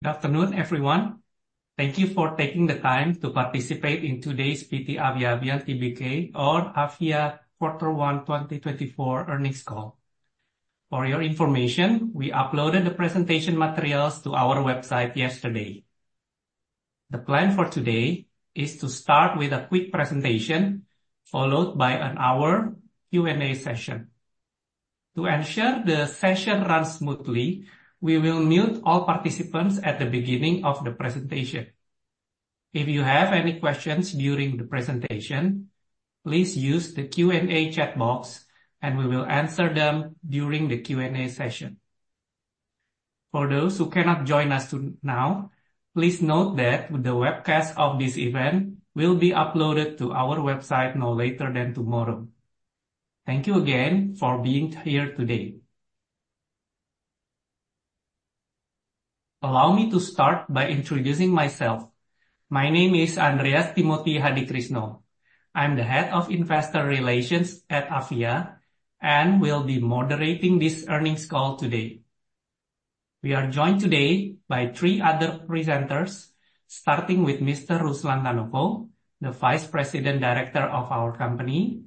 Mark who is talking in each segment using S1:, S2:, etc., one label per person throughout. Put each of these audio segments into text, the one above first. S1: Good afternoon, everyone. Thank you for taking the time to participate in today's PT Avia Avian Tbk or Avia quarter one 2024 earnings call. For your information, we uploaded the presentation materials to our website yesterday. The plan for today is to start with a quick presentation, followed by an hour Q&A session. To ensure the session runs smoothly, we will mute all participants at the beginning of the presentation. If you have any questions during the presentation, please use the Q&A chat box, and we will answer them during the Q&A session. For those who cannot join us now, please note that the webcast of this event will be uploaded to our website no later than tomorrow. Thank you again for being here today. Allow me to start by introducing myself. My name is Andreas Timothy Hadikrisno. I'm the Head of Investor Relations at Avian, and will be moderating this earnings call today. We are joined today by three other presenters, starting with Mr. Ruslan Tanoko, the Vice President Director of our company;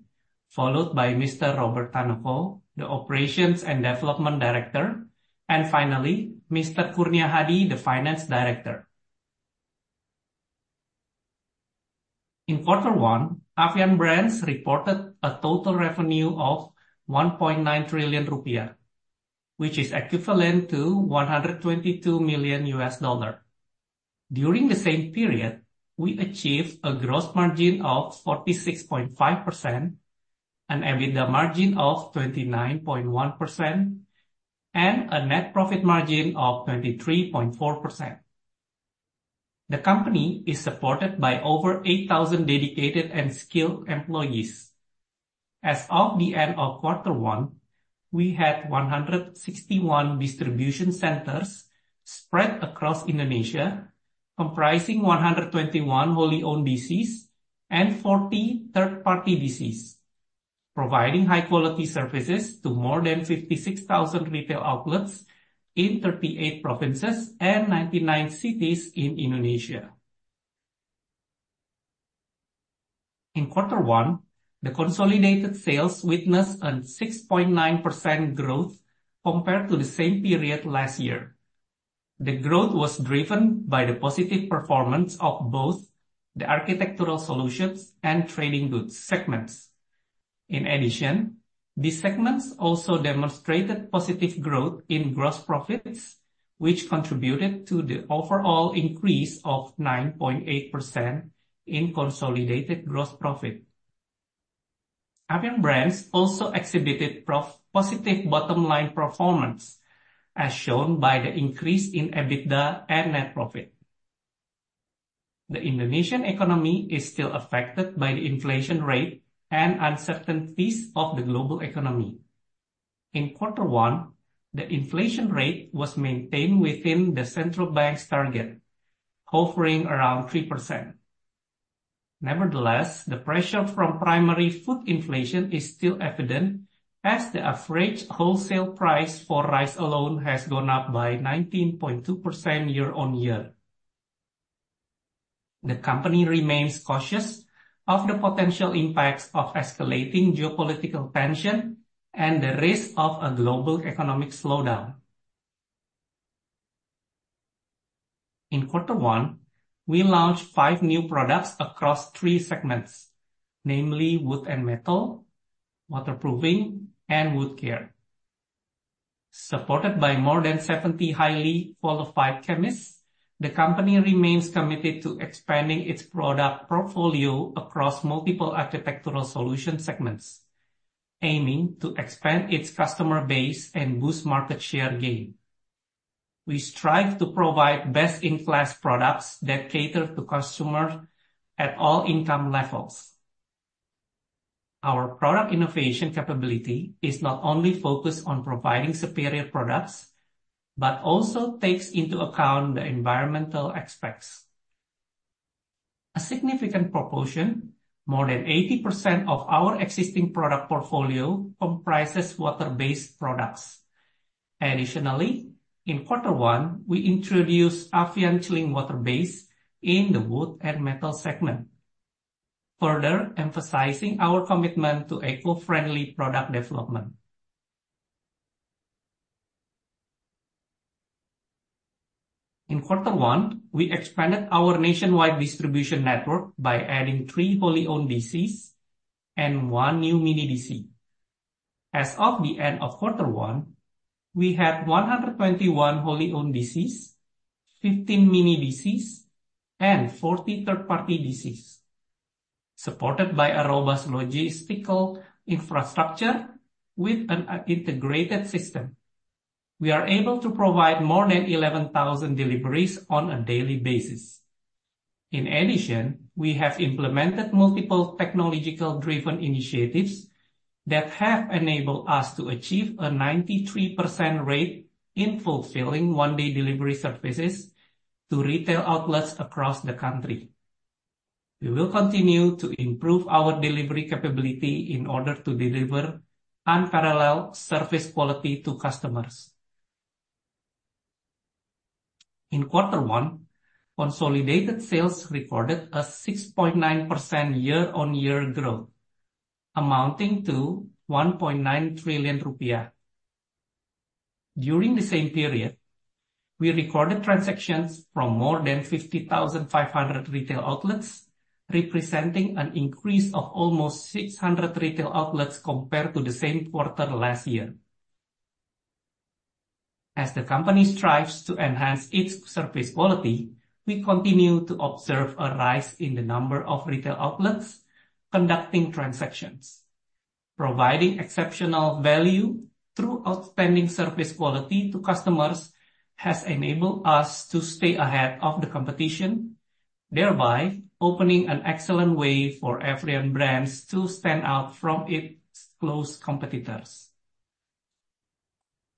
S1: followed by Mr. Robert Tanoko, the Operations and Development Director; and finally Mr. Kurnia Hadi, the Finance Director. In quarter one, Avian Brands reported a total revenue of 1.9 trillion rupiah, which is equivalent to $122 million. During the same period, we achieved a gross margin of 46.5%, an EBITDA margin of 29.1%, and a net profit margin of 23.4%. The company is supported by over 8,000 dedicated and skilled employees. As of the end of quarter one, we had 161 distribution centers spread across Indonesia, comprising 121 wholly owned DCs and 40 third-party DCs, providing high-quality services to more than 56,000 retail outlets in 38 provinces and 99 cities in Indonesia. In quarter one, the consolidated sales witnessed a 6.9% growth compared to the same period last year. The growth was driven by the positive performance of both the architectural solutions and trading goods segments. In addition, these segments also demonstrated positive growth in gross profits, which contributed to the overall increase of 9.8% in consolidated gross profit. Avian Brands also exhibited positive bottom-line performance, as shown by the increase in EBITDA and net profit. The Indonesian economy is still affected by the inflation rate and uncertainties of the global economy. In quarter one, the inflation rate was maintained within the central bank's target, hovering around 3%. Nevertheless, the pressure from primary food inflation is still evident, as the average wholesale price for rice alone has gone up by 19.2% year-on-year. The company remains cautious of the potential impacts of escalating geopolitical tension and the risk of a global economic slowdown. In quarter one, we launched five new products across three segments, namely wood and metal, waterproofing, and wood care. Supported by more than 70 highly qualified chemists, the company remains committed to expanding its product portfolio across multiple architectural solution segments, aiming to expand its customer base and boost market share gain. We strive to provide best-in-class products that cater to customers at all income levels. Our product innovation capability is not only focused on providing superior products, but also takes into account the environmental aspects. A significant proportion (more than 80% of our existing product portfolio) comprises water-based products. Additionally, in quarter one, we introduced Avian Cling Water Base in the wood and metal segment, further emphasizing our commitment to eco-friendly product development. In quarter one, we expanded our nationwide distribution network by adding three wholly owned DCs and one new mini DC. As of the end of quarter one, we had 121 wholly owned DCs, 15 mini DCs, and 40 third-party DCs. Supported by a robust logistical infrastructure with an integrated system, we are able to provide more than 11,000 deliveries on a daily basis. In addition, we have implemented multiple technology-driven initiatives that have enabled us to achieve a 93% rate in fulfilling one-day delivery services to retail outlets across the country. We will continue to improve our delivery capability in order to deliver unparalleled service quality to customers. In quarter one, consolidated sales recorded a 6.9% year-on-year growth, amounting to 1.9 trillion rupiah. During the same period, we recorded transactions from more than 50,500 retail outlets, representing an increase of almost 600 retail outlets compared to the same quarter last year. As the company strives to enhance its service quality, we continue to observe a rise in the number of retail outlets conducting transactions. Providing exceptional value through outstanding service quality to customers has enabled us to stay ahead of the competition, thereby opening an excellent way for Avian Brands to stand out from its close competitors.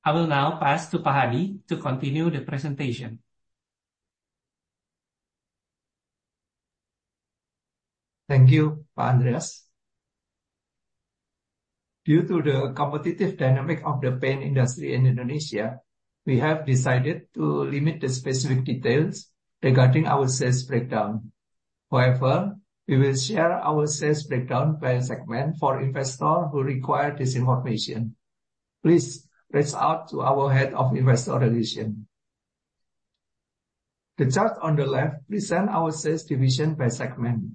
S1: I will now pass to Pak Hadi to continue the presentation.
S2: Thank you, Pak Andreas. Due to the competitive dynamic of the paint industry in Indonesia, we have decided to limit the specific details regarding our sales breakdown. However, we will share our sales breakdown by segment for investors who require this information. Please reach out to our Head of Investor Relations. The chart on the left presents our sales division by segment.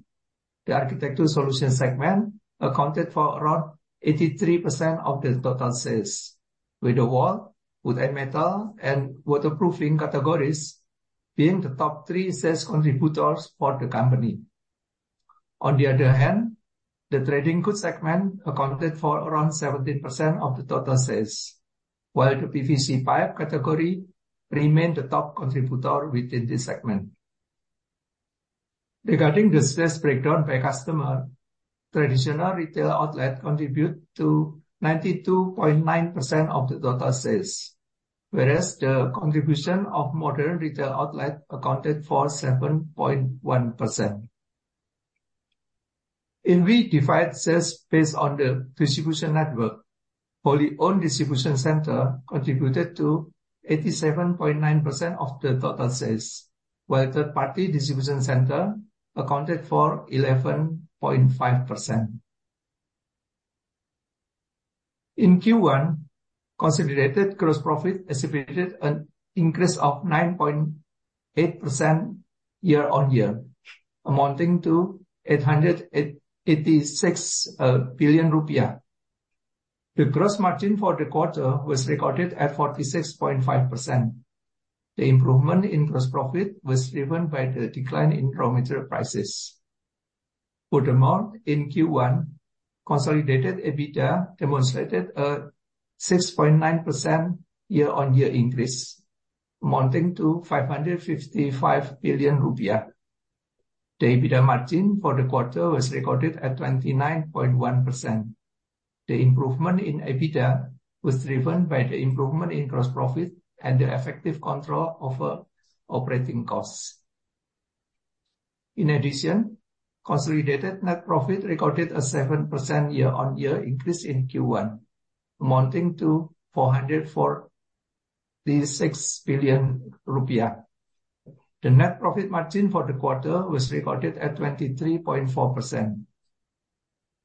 S2: The architectural solutions segment accounted for around 83% of the total sales, with the wood, wood and metal, and waterproofing categories being the top three sales contributors for the company. On the other hand, the trading goods segment accounted for around 17% of the total sales, while the PVC pipe category remained the top contributor within this segment. Regarding the sales breakdown by customers, traditional retail outlets contributed to 92.9% of the total sales, whereas the contribution of modern retail outlets accounted for 7.1%. If we divide sales based on the distribution network, wholly owned distribution centers contributed to 87.9% of the total sales, while third-party distribution centers accounted for 11.5%. In Q1, consolidated gross profit exhibited an increase of 9.8% year-on-year, amounting to 886 billion rupiah. The gross margin for the quarter was recorded at 46.5%. The improvement in gross profit was driven by the decline in raw material prices. Furthermore, in Q1, consolidated EBITDA demonstrated a 6.9% year-on-year increase, amounting to 555 billion rupiah. The EBITDA margin for the quarter was recorded at 29.1%. The improvement in EBITDA was driven by the improvement in gross profit and the effective control of operating costs. In addition, consolidated net profit recorded a 7% year-on-year increase in Q1, amounting to 446 billion rupiah. The net profit margin for the quarter was recorded at 23.4%.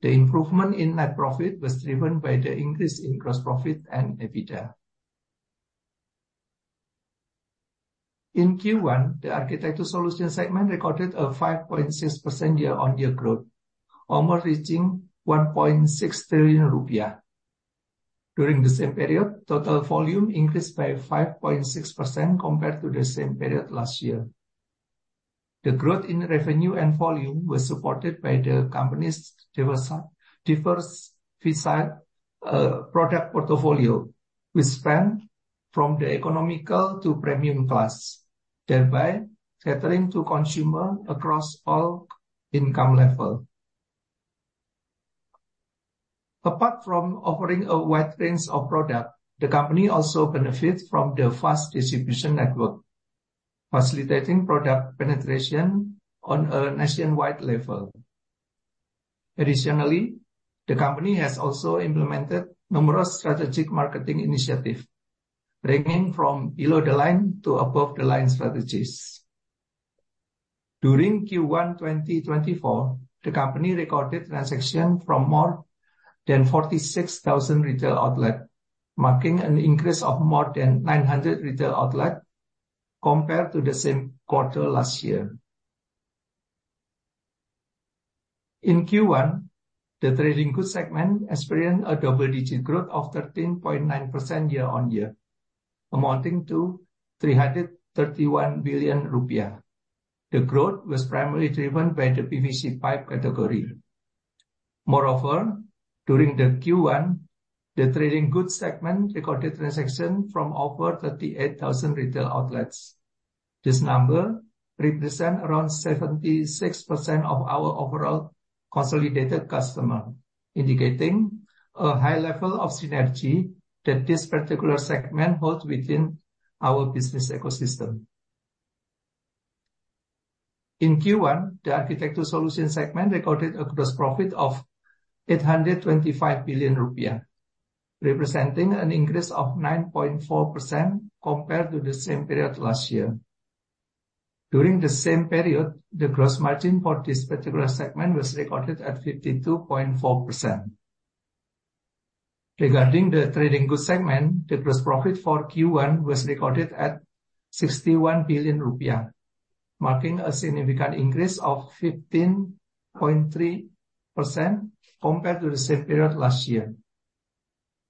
S2: The improvement in net profit was driven by the increase in gross profit and EBITDA. In Q1, the architectural solutions segment recorded a 5.6% year-on-year growth, almost reaching 1.6 trillion rupiah. During the same period, total volume increased by 5.6% compared to the same period last year. The growth in revenue and volume was supported by the company's diversified product portfolio, which spanned from the economical to premium class, thereby catering to consumers across all income levels. Apart from offering a wide range of products, the company also benefits from the vast distribution network, facilitating product penetration on a nationwide level. Additionally, the company has also implemented numerous strategic marketing initiatives, ranging from below-the-line to above-the-line strategies. During Q1 2024, the company recorded transactions from more than 46,000 retail outlets, marking an increase of more than 900 retail outlets compared to the same quarter last year. In Q1, the trading goods segment experienced a double-digit growth of 13.9% year-on-year, amounting to 331 billion rupiah. The growth was primarily driven by the PVC pipe category. Moreover, during Q1, the trading goods segment recorded transactions from over 38,000 retail outlets. This number represents around 76% of our overall consolidated customers, indicating a high level of synergy that this particular segment holds within our business ecosystem. In Q1, the architectural solutions segment recorded a gross profit of 825 billion rupiah, representing an increase of 9.4% compared to the same period last year. During the same period, the gross margin for this particular segment was recorded at 52.4%. Regarding the trading goods segment, the gross profit for Q1 was recorded at 61 billion rupiah, marking a significant increase of 15.3% compared to the same period last year.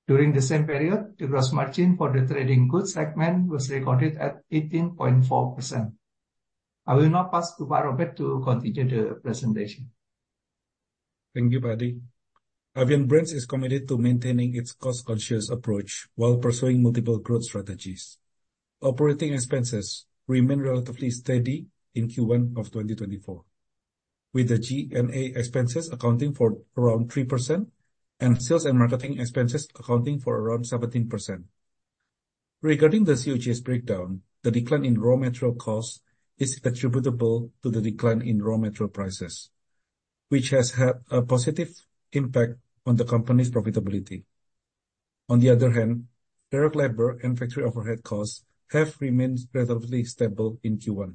S2: During the same period, the gross margin for the trading goods segment was recorded at 18.4%. I will now pass to Pak Robert to continue the presentation.
S3: Thank you, Pak Hadi. Avian Brands is committed to maintaining its cost-conscious approach while pursuing multiple growth strategies. Operating expenses remain relatively steady in Q1 of 2024, with the G&A expenses accounting for around 3% and sales and marketing expenses accounting for around 17%. Regarding the COGS breakdown, the decline in raw material costs is attributable to the decline in raw material prices, which has had a positive impact on the company's profitability. On the other hand, direct labor and factory overhead costs have remained relatively stable in Q1,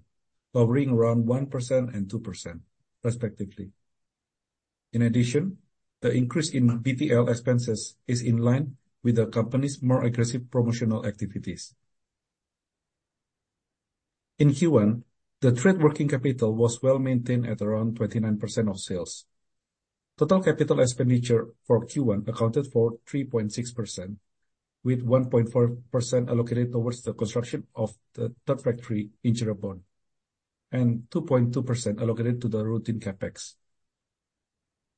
S3: hovering around 1% and 2%, respectively. In addition, the increase in BTL expenses is in line with the company's more aggressive promotional activities. In Q1, the trade working capital was well maintained at around 29% of sales. Total capital expenditure for Q1 accounted for 3.6%, with 1.4% allocated towards the construction of the third factory in Cirebon and 2.2% allocated to the routine CapEx.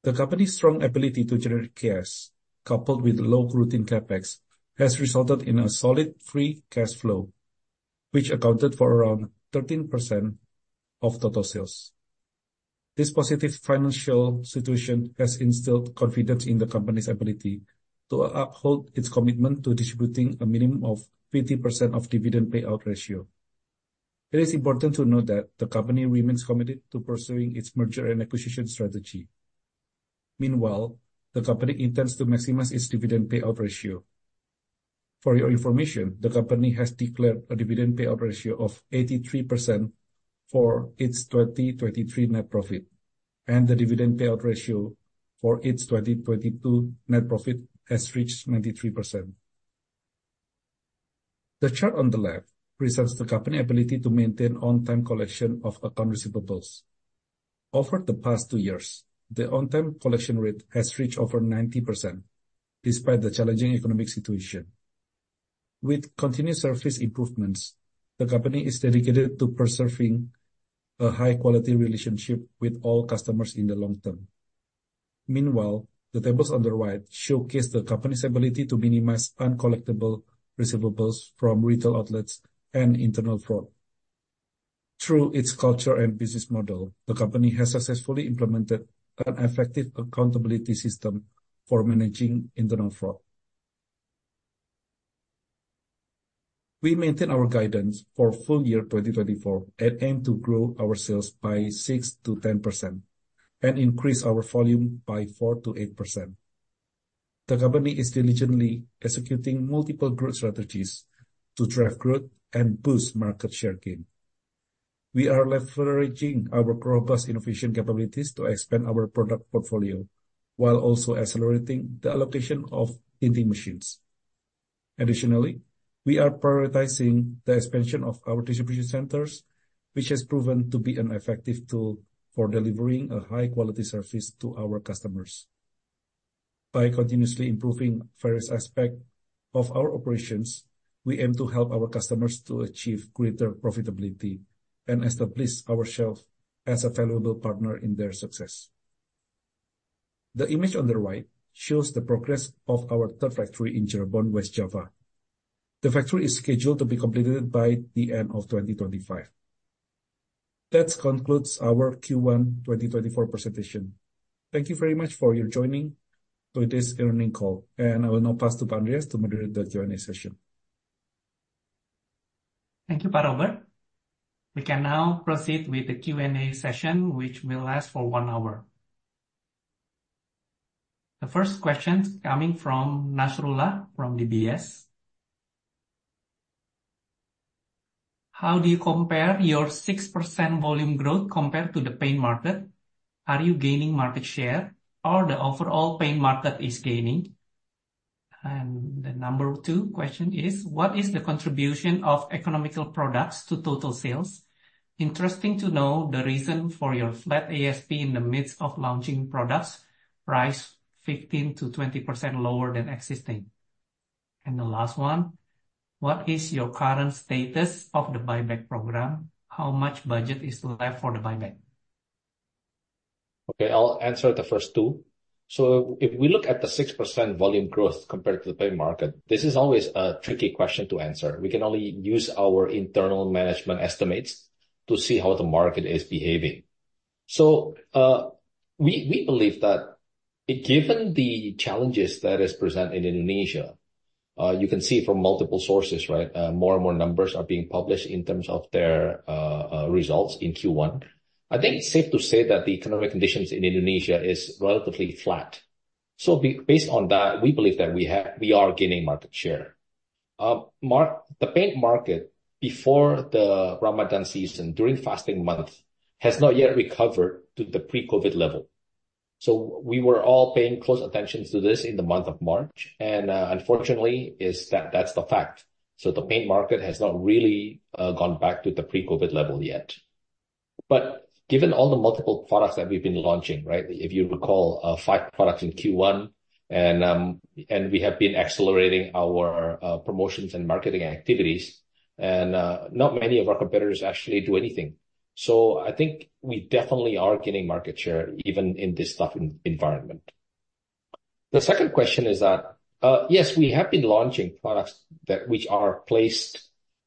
S3: The company's strong ability to generate cash, coupled with low routine CapEx, has resulted in a solid free cash flow, which accounted for around 13% of total sales. This positive financial situation has instilled confidence in the company's ability to uphold its commitment to distributing a minimum of 50% of dividend payout ratio. It is important to note that the company remains committed to pursuing its merger and acquisition strategy. Meanwhile, the company intends to maximize its dividend payout ratio. For your information, the company has declared a dividend payout ratio of 83% for its 2023 net profit, and the dividend payout ratio for its 2022 net profit has reached 93%. The chart on the left presents the company's ability to maintain on-time collection of account receivables. Over the past two years, the on-time collection rate has reached over 90% despite the challenging economic situation. With continued service improvements, the company is dedicated to preserving a high-quality relationship with all customers in the long term. Meanwhile, the tables on the right showcase the company's ability to minimize uncollectable receivables from retail outlets and internal fraud. Through its culture and business model, the company has successfully implemented an effective accountability system for managing internal fraud. We maintain our guidance for full year 2024 and aim to grow our sales by 6%-10% and increase our volume by 4%-8%. The company is diligently executing multiple growth strategies to drive growth and boost market share gain. We are leveraging our robust innovation capabilities to expand our product portfolio while also accelerating the allocation of printing machines. Additionally, we are prioritizing the expansion of our distribution centers, which has proven to be an effective tool for delivering a high-quality service to our customers. By continuously improving various aspects of our operations, we aim to help our customers achieve greater profitability and establish ourselves as a valuable partner in their success. The image on the right shows the progress of our third factory in Cirebon, West Java. The factory is scheduled to be completed by the end of 2025. That concludes our Q1 2024 presentation. Thank you very much for your joining today's earnings call, and I will now pass to Pak Andreas to moderate the Q&A session.
S1: Thank you, Pak Robert. We can now proceed with the Q&A session, which will last for one hour. The first question is coming from Nasrullah from DBS. How do you compare your 6% volume growth compared to the paint market? Are you gaining market share, or is the overall paint market gaining? And the number two question is: What is the contribution of economical products to total sales? Interesting to know the reason for your flat ASP in the midst of launching products rising 15%-20% lower than existing. And the last one: What is your current status of the buyback program? How much budget is left for the buyback?
S4: Okay, I'll answer the first two. So if we look at the 6% volume growth compared to the paint market, this is always a tricky question to answer. We can only use our internal management estimates to see how the market is behaving. So we believe that given the challenges that are present in Indonesia, you can see from multiple sources, right, more and more numbers are being published in terms of their results in Q1. I think it's safe to say that the economic conditions in Indonesia are relatively flat. So based on that, we believe that we are gaining market share. The paint market, before the Ramadan season, during fasting months, has not yet recovered to the pre-COVID level. So we were all paying close attention to this in the month of March, and unfortunately, that's the fact. The paint market has not really gone back to the pre-COVID level yet. Given all the multiple products that we've been launching, right, if you recall, five products in Q1, and we have been accelerating our promotions and marketing activities, and not many of our competitors actually do anything. I think we definitely are gaining market share even in this tough environment. The second question is that, yes, we have been launching products which are placed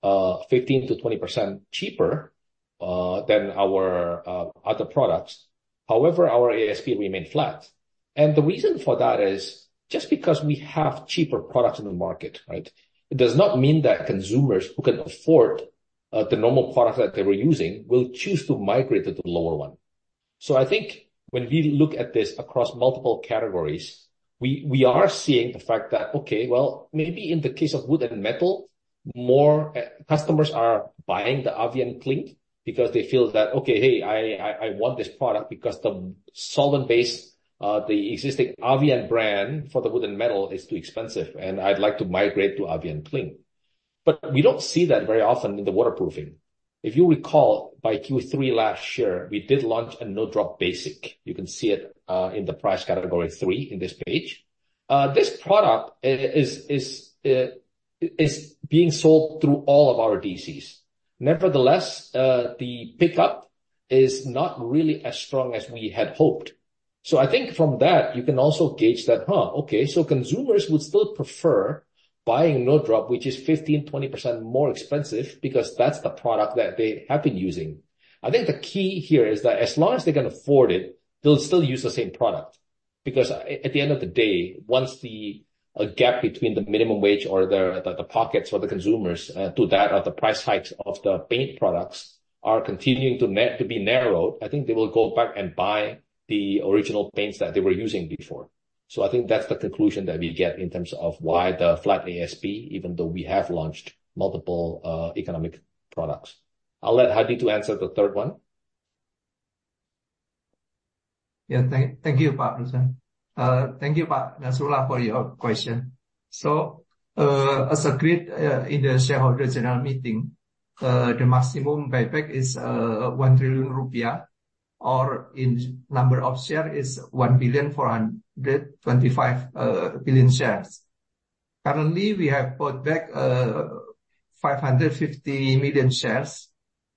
S4: 15%-20% cheaper than our other products. However, our ASP remained flat. The reason for that is just because we have cheaper products in the market, right? It does not mean that consumers who can afford the normal products that they were using will choose to migrate to the lower one. So I think when we look at this across multiple categories, we are seeing the fact that, okay, well, maybe in the case of wood and metal, more customers are buying the Avian Cling because they feel that, okay, hey, I want this product because the solvent-based, the existing Avian brand for the wood and metal is too expensive, and I'd like to migrate to Avian Cling. But we don't see that very often in the waterproofing. If you recall, by Q3 last year, we did launch a No Drop Basic. You can see it in the price category three in this page. This product is being sold through all of our DCs. Nevertheless, the pickup is not really as strong as we had hoped. So I think from that, you can also gauge that, huh, okay, so consumers would still prefer buying No Drop, which is 15%-20% more expensive because that's the product that they have been using. I think the key here is that as long as they can afford it, they'll still use the same product. Because at the end of the day, once the gap between the minimum wage or the pockets for the consumers to that of the price hikes of the paint products are continuing to be narrowed, I think they will go back and buy the original paints that they were using before. So I think that's the conclusion that we get in terms of why the flat ASP, even though we have launched multiple economic products. I'll let Hadi to answer the third one.
S2: Yeah, thank you, Pak Ruslan. Thank you, Pak Nasrullah, for your question. So as agreed in the shareholder general meeting, the maximum buyback is 1 trillion rupiah, or in number of shares, it's 1 billion 425 billion shares. Currently, we have bought back 550 million shares,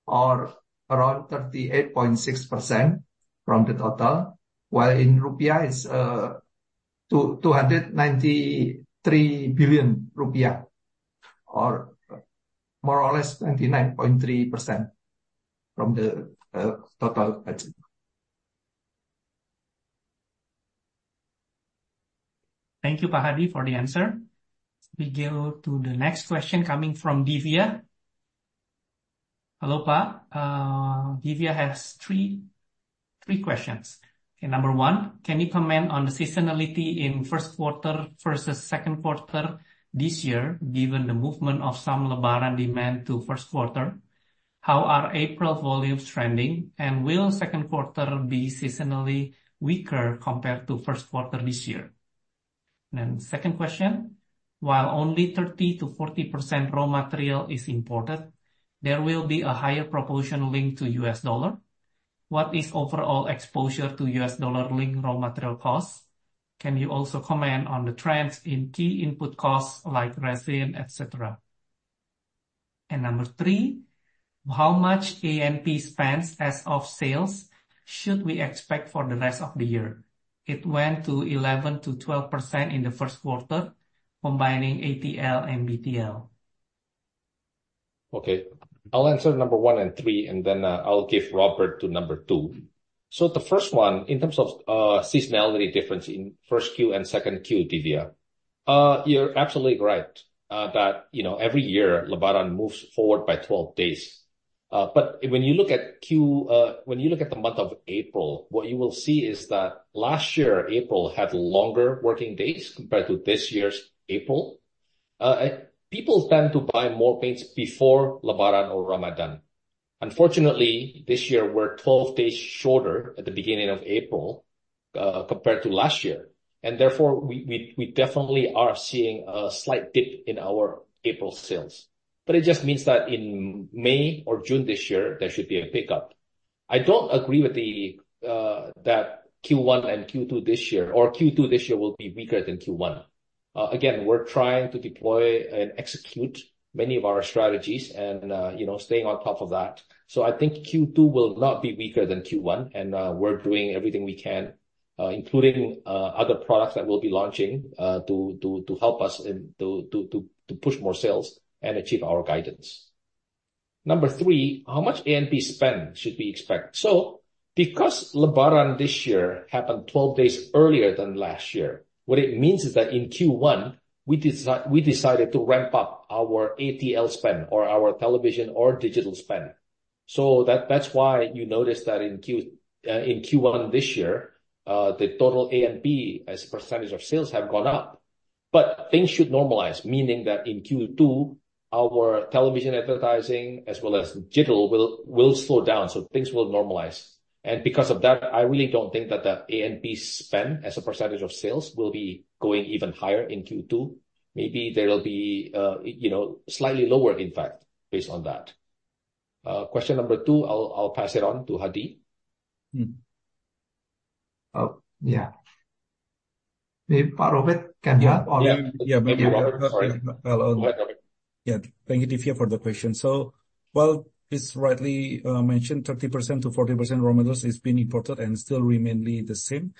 S2: or around 38.6% from the total, while in rupiah, it's 293 billion rupiah, or more or less 29.3% from the total budget.
S1: Thank you, Pak Hadi, for the answer. We go to the next question coming from Divya. Hello, Pak. Divya has three questions. Number one, can you comment on the seasonality in first quarter versus second quarter this year, given the movement of some Lebaran demand to first quarter? How are April volumes trending, and will second quarter be seasonally weaker compared to first quarter this year? And then second question, while only 30%-40% raw material is imported, there will be a higher proportion linked to US dollar. What is overall exposure to U.S. dollar-linked raw material costs? Can you also comment on the trends in key input costs like resin, etc.? And number three, how much A&P spend as % of sales should we expect for the rest of the year? It went to 11%-12% in the first quarter, combining ATL and BTL.
S4: Okay, I'll answer number one and three, and then I'll give Robert number two. So the first one, in terms of seasonality difference in first Q and second Q, Divya, you're absolutely right that every year, Lebaran moves forward by 12 days. But when you look at the month of April, what you will see is that last year, April had longer working days compared to this year's April. People tend to buy more paints before Lebaran or Ramadan. Unfortunately, this year, we're 12 days shorter at the beginning of April compared to last year. And therefore, we definitely are seeing a slight dip in our April sales. But it just means that in May or June this year, there should be a pickup. I don't agree with that Q1 and Q2 this year, or Q2 this year will be weaker than Q1. Again, we're trying to deploy and execute many of our strategies and staying on top of that. So I think Q2 will not be weaker than Q1, and we're doing everything we can, including other products that we'll be launching to help us to push more sales and achieve our guidance. Number three, how much A&P spend should we expect? So because Lebaran this year happened 12 days earlier than last year, what it means is that in Q1, we decided to ramp up our ATL spend, or our television or digital spend. So that's why you notice that in Q1 this year, the total A&P as a percentage of sales have gone up. But things should normalize, meaning that in Q2, our television advertising as well as digital will slow down, so things will normalize. And because of that, I really don't think that the A&P spend as a percentage of sales will be going even higher in Q2. Maybe there will be slightly lower, in fact, based on that. Question number two, I'll pass it on to Hadi.
S2: Oh, yeah. Maybe Pak Robert can help, or?
S4: Yeah, maybe Robert. Sorry. Follow on.
S3: Yeah, thank you, Divya, for the question. So, well, as rightly mentioned, 30%-40% raw materials is being imported and still remains the same.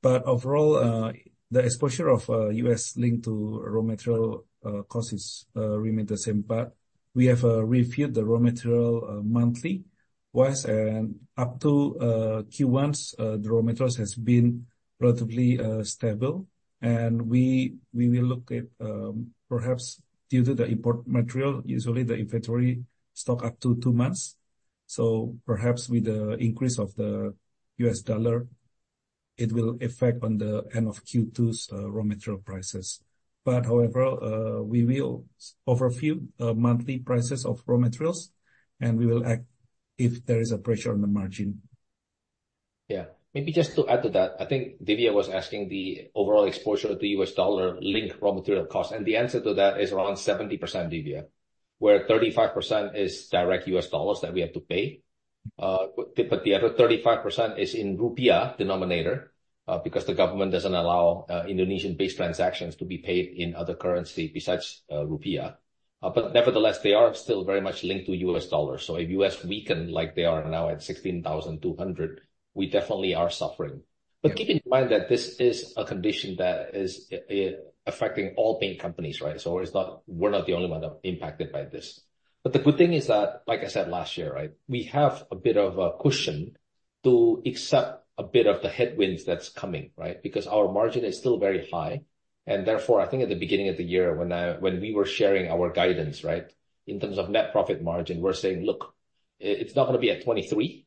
S3: But overall, the exposure of US-linked to raw material costs remains the same. But we have reviewed the raw material monthly-wise, and up to Q1, the raw materials have been relatively stable. And we will look at, perhaps due to the import material, usually the inventory stock up to two months. So perhaps with the increase of the US dollar, it will affect the end of Q2's raw material prices. But however, we will overview monthly prices of raw materials, and we will act if there is a pressure on the margin.
S4: Yeah. Maybe just to add to that, I think Divya was asking the overall exposure to U.S. dollar-linked raw material costs. And the answer to that is around 70%, Divya, where 35% is direct U.S. dollars that we have to pay. But the other 35% is in rupiah denominator because the government doesn't allow Indonesian-based transactions to be paid in other currency besides rupiah. But nevertheless, they are still very much linked to U.S. dollars. So if U.S. weaken like they are now at 16,200, we definitely are suffering. But keep in mind that this is a condition that is affecting all paint companies, right? So we're not the only one that's impacted by this. But the good thing is that, like I said last year, right, we have a bit of a cushion to accept a bit of the headwinds that's coming, right? Because our margin is still very high. And therefore, I think at the beginning of the year, when we were sharing our guidance, right, in terms of net profit margin, we're saying, "Look, it's not going to be at 23%.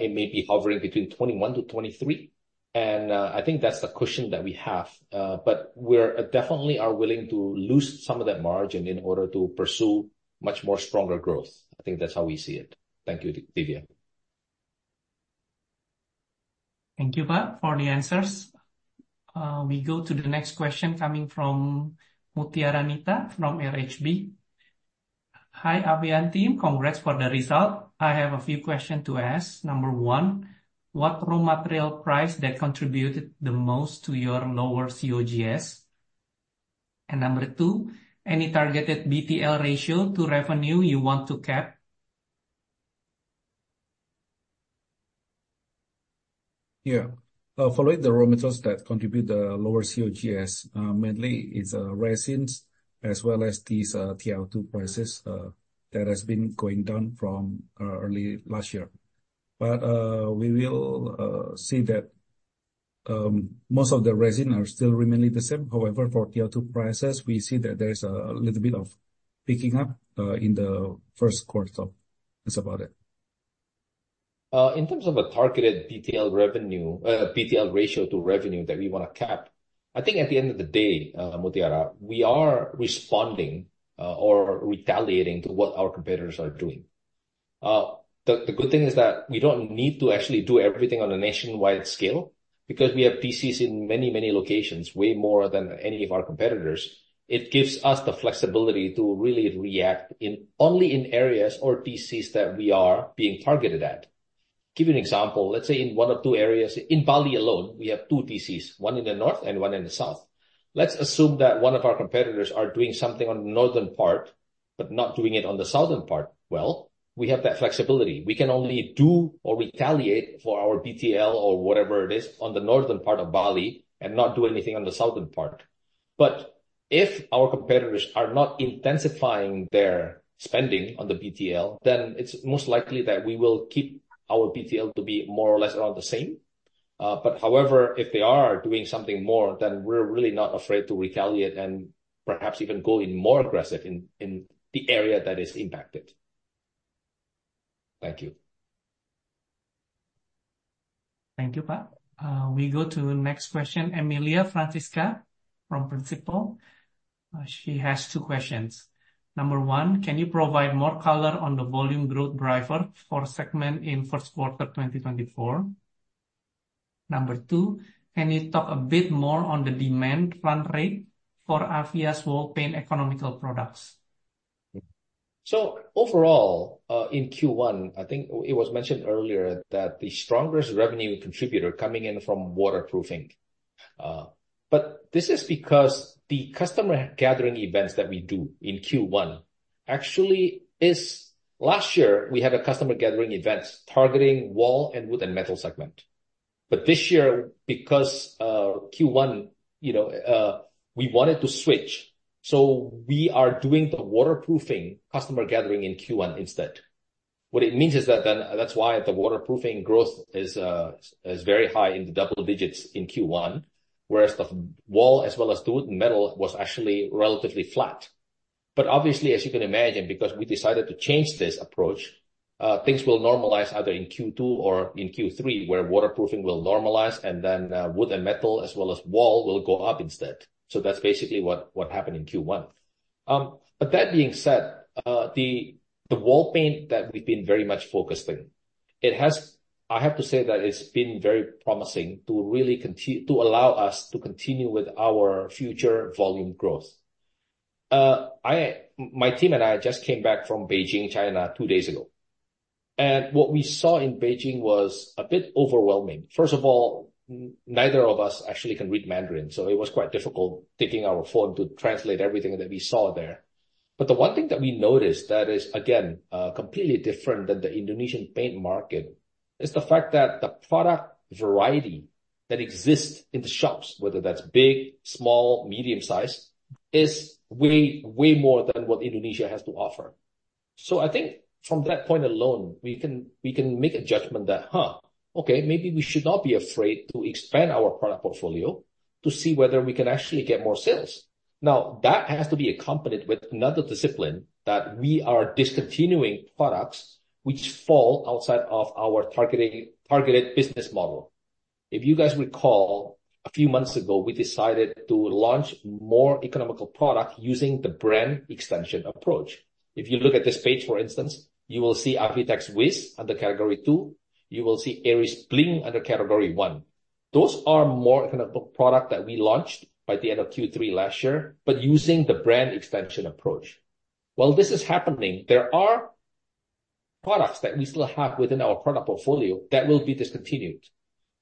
S4: It may be hovering between 21%-23%." And I think that's the cushion that we have. But we definitely are willing to lose some of that margin in order to pursue much more stronger growth. I think that's how we see it. Thank you, Divya.
S1: Thank you, Pak, for the answers. We go to the next question coming from Mutiara Nita from RHB. Hi, Avian team. Congrats for the result. I have a few questions to ask. Number one, what raw material price contributed the most to your lower COGS? And number two, any targeted BTL ratio to revenue you want to cap?
S3: Yeah. Following the raw materials that contribute the lower COGS, mainly it's resins as well as these TiO2 prices that have been going down from early last year. But we will see that most of the resin are still remaining the same. However, for TiO2 prices, we see that there's a little bit of picking up in the first quarter. That's about it.
S4: In terms of a targeted BTL revenue BTL ratio to revenue that we want to cap, I think at the end of the day, Mutiara, we are responding or retaliating to what our competitors are doing. The good thing is that we don't need to actually do everything on a nationwide scale because we have DCs in many, many locations, way more than any of our competitors. It gives us the flexibility to really react only in areas or DCs that we are being targeted at. Give you an example. Let's say in one of two areas, in Bali alone, we have two DCs, one in the north and one in the south. Let's assume that one of our competitors is doing something on the northern part but not doing it on the southern part well. We have that flexibility. We can only do or retaliate for our BTL or whatever it is on the northern part of Bali and not do anything on the southern part. But if our competitors are not intensifying their spending on the BTL, then it's most likely that we will keep our BTL to be more or less around the same. But however, if they are doing something more, then we're really not afraid to retaliate and perhaps even go in more aggressive in the area that is impacted. Thank you.
S1: Thank you, Pak. We go to the next question, Emilia Francisca from Principal. She has two questions. Number one, can you provide more color on the volume growth driver for segment in first quarter 2024? Number two, can you talk a bit more on the demand fund rate for Avia's wall paint economical products?
S4: Overall, in Q1, I think it was mentioned earlier that the strongest revenue contributor is coming in from waterproofing. But this is because the customer gathering events that we do in Q1 actually is last year, we had a customer gathering event targeting wall and wood and metal segment. But this year, because Q1, we wanted to switch. We are doing the waterproofing customer gathering in Q1 instead. What it means is that then that's why the waterproofing growth is very high in the double digits in Q1, whereas the wall as well as the wood and metal was actually relatively flat. But obviously, as you can imagine, because we decided to change this approach, things will normalize either in Q2 or in Q3, where waterproofing will normalize, and then wood and metal as well as wall will go up instead. That's basically what happened in Q1. That being said, the wall paint that we've been very much focusing, I have to say that it's been very promising to allow us to continue with our future volume growth. My team and I just came back from Beijing, China, two days ago. What we saw in Beijing was a bit overwhelming. First of all, neither of us actually can read Mandarin, so it was quite difficult taking our phone to translate everything that we saw there. The one thing that we noticed that is, again, completely different than the Indonesian paint market is the fact that the product variety that exists in the shops, whether that's big, small, medium-sized, is way, way more than what Indonesia has to offer. So I think from that point alone, we can make a judgment that, "Huh, okay, maybe we should not be afraid to expand our product portfolio to see whether we can actually get more sales." Now, that has to be accompanied with another discipline that we are discontinuing products which fall outside of our targeted business model. If you guys recall, a few months ago, we decided to launch more economical products using the brand extension approach. If you look at this page, for instance, you will see Avitex Wizz under category two. You will see Aries Bling under category one. Those are more economical products that we launched by the end of Q3 last year, but using the brand extension approach. While this is happening, there are products that we still have within our product portfolio that will be discontinued.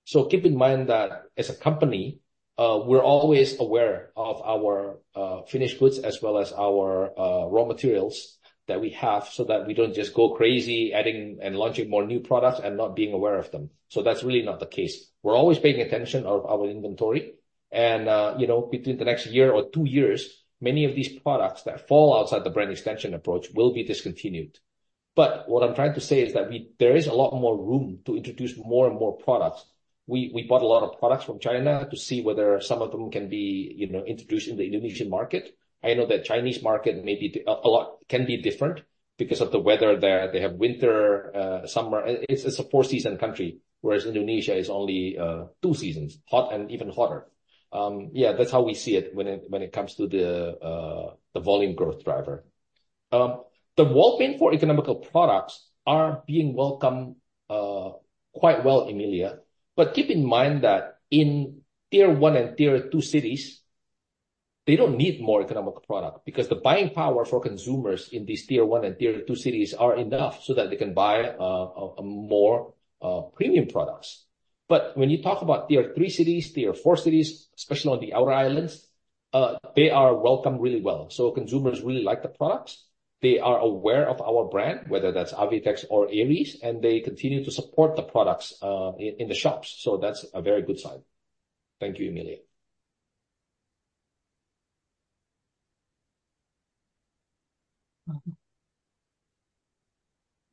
S4: Keep in mind that as a company, we're always aware of our finished goods as well as our raw materials that we have so that we don't just go crazy adding and launching more new products and not being aware of them. That's really not the case. We're always paying attention to our inventory. Between the next year or two years, many of these products that fall outside the brand extension approach will be discontinued. What I'm trying to say is that there is a lot more room to introduce more and more products. We bought a lot of products from China to see whether some of them can be introduced in the Indonesian market. I know that the Chinese market maybe can be different because of the weather there. They have winter, summer. It's a four-season country, whereas Indonesia is only two seasons, hot and even hotter. Yeah, that's how we see it when it comes to the volume growth driver. The wall paint for economical products is being welcomed quite well, Emilia. But keep in mind that in tier one and tier two cities, they don't need more economical products because the buying power for consumers in these tier one and tier two cities is enough so that they can buy more premium products. But when you talk about tier three cities, tier four cities, especially on the outer islands, they are welcomed really well. So consumers really like the products. They are aware of our brand, whether that's Avitex or Aries, and they continue to support the products in the shops. So that's a very good sign. Thank you,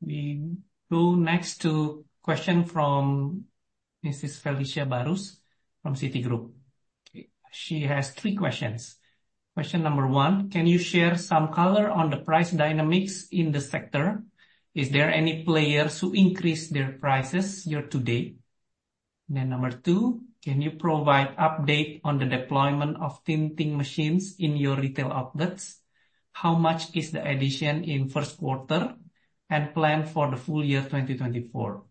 S4: Emilia.
S1: We go next to a question from Mrs. Felicia Barus from Citigroup. She has three questions. Question number one, can you share some color on the price dynamics in the sector? Is there any player who increased their prices year to date? And then number two, can you provide an update on the deployment of tinting machines in your retail outlets? How much is the addition in first quarter and plan for the full year 2024?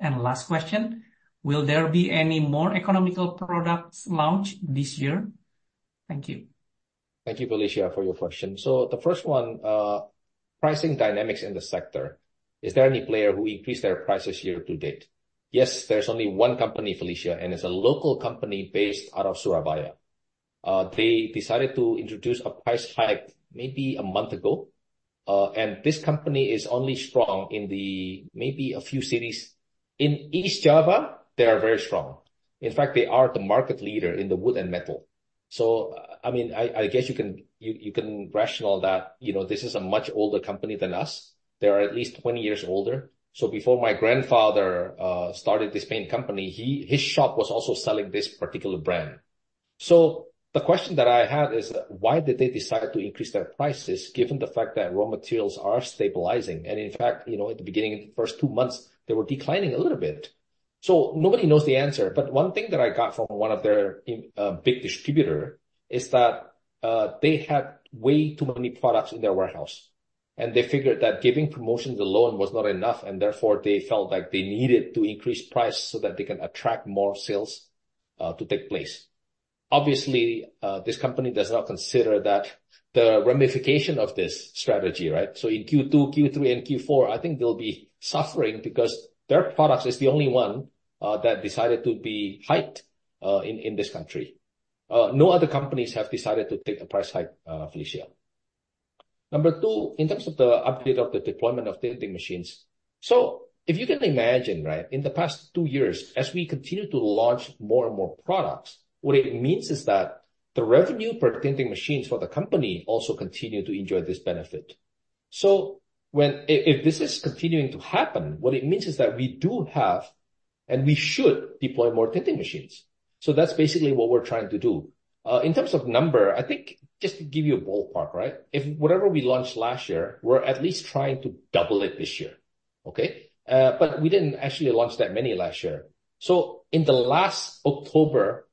S1: And last question, will there be any more economical products launched this year? Thank you.
S4: Thank you, Felicia, for your question. So the first one, pricing dynamics in the sector. Is there any player who increased their prices year to date? Yes, there's only one company, Felicia, and it's a local company based out of Surabaya. They decided to introduce a price hike maybe a month ago. This company is only strong in maybe a few cities. In East Java, they are very strong. In fact, they are the market leader in the wood and metal. So I mean, I guess you can rationalize that this is a much older company than us. They are at least 20 years older. So before my grandfather started this paint company, his shop was also selling this particular brand. So the question that I had is, why did they decide to increase their prices given the fact that raw materials are stabilizing? In fact, at the beginning, the first two months, they were declining a little bit. Nobody knows the answer. But one thing that I got from one of their big distributors is that they had way too many products in their warehouse. And they figured that giving promotions alone was not enough. And therefore, they felt like they needed to increase prices so that they can attract more sales to take place. Obviously, this company does not consider the ramifications of this strategy, right? In Q2, Q3, and Q4, I think they'll be suffering because their product is the only one that decided to be hiked in this country. No other companies have decided to take a price hike, Felicia. Number two, in terms of the update of the deployment of tinting machines. So if you can imagine, right, in the past two years, as we continue to launch more and more products, what it means is that the revenue per tinting machines for the company also continues to enjoy this benefit. So if this is continuing to happen, what it means is that we do have and we should deploy more tinting machines. So that's basically what we're trying to do. In terms of number, I think just to give you a ballpark, right, whatever we launched last year, we're at least trying to double it this year, okay? But we didn't actually launch that many last year. So in the last October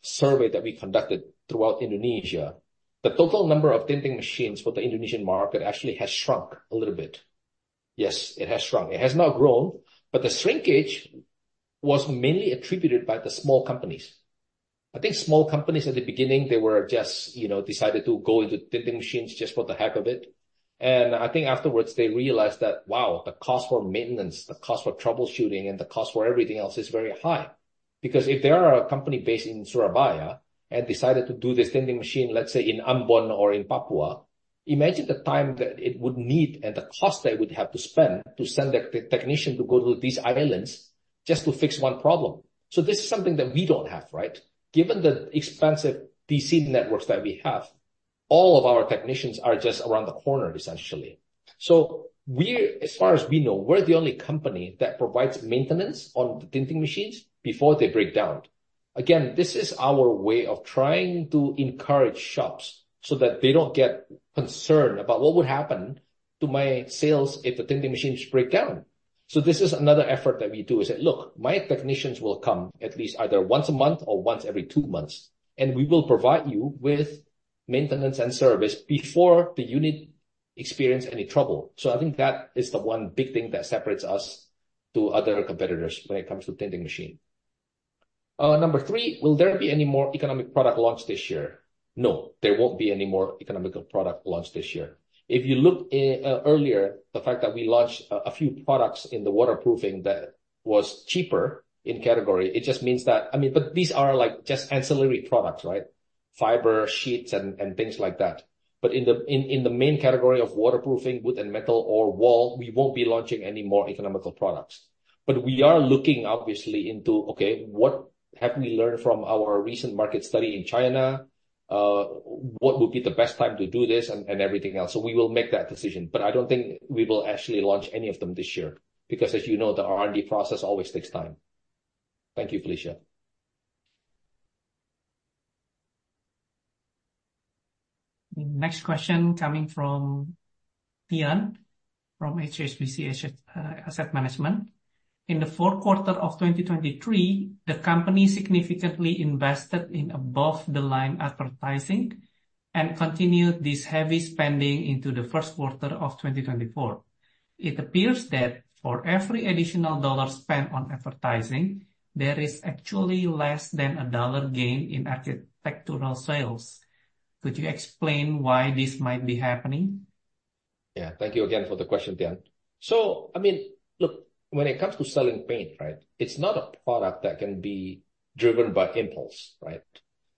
S4: survey that we conducted throughout Indonesia, the total number of tinting machines for the Indonesian market actually has shrunk a little bit. Yes, it has shrunk. It has not grown. But the shrinkage was mainly attributed by the small companies. I think small companies, at the beginning, they just decided to go into tinting machines just for the heck of it. And I think afterwards, they realized that, wow, the cost for maintenance, the cost for troubleshooting, and the cost for everything else is very high. Because if they are a company based in Surabaya and decided to do this tinting machine, let's say, in Ambon or in Papua, imagine the time that it would need and the cost they would have to spend to send a technician to go to these islands just to fix one problem. So this is something that we don't have, right? Given the expensive DC networks that we have, all of our technicians are just around the corner, essentially. So as far as we know, we're the only company that provides maintenance on the tinting machines before they break down. Again, this is our way of trying to encourage shops so that they don't get concerned about what would happen to my sales if the tinting machines break down. So this is another effort that we do is say, "Look, my technicians will come at least either once a month or once every two months. And we will provide you with maintenance and service before the unit experiences any trouble." So I think that is the one big thing that separates us from other competitors when it comes to tinting machines. Number three, will there be any more economical product launched this year? No, there won't be any more economical product launched this year. If you look earlier, the fact that we launched a few products in the waterproofing that were cheaper in category, it just means that I mean, but these are just ancillary products, right? Fiber, sheets, and things like that. But in the main category of waterproofing, wood and metal, or wall, we won't be launching any more economical products. But we are looking, obviously, into, "Okay, what have we learned from our recent market study in China? What would be the best time to do this?" and everything else. So we will make that decision. But I don't think we will actually launch any of them this year because, as you know, the R&D process always takes time. Thank you, Felicia.
S1: Next question coming from Tian from HSBC Asset Management. In the fourth quarter of 2023, the company significantly invested in above-the-line advertising and continued this heavy spending into the first quarter of 2024. It appears that for every additional $1 spent on advertising, there is actually less than a $1 gain in architectural sales. Could you explain why this might be happening?
S3: Yeah, thank you again for the question, Tian. So I mean, look, when it comes to selling paint, right, it's not a product that can be driven by impulse, right?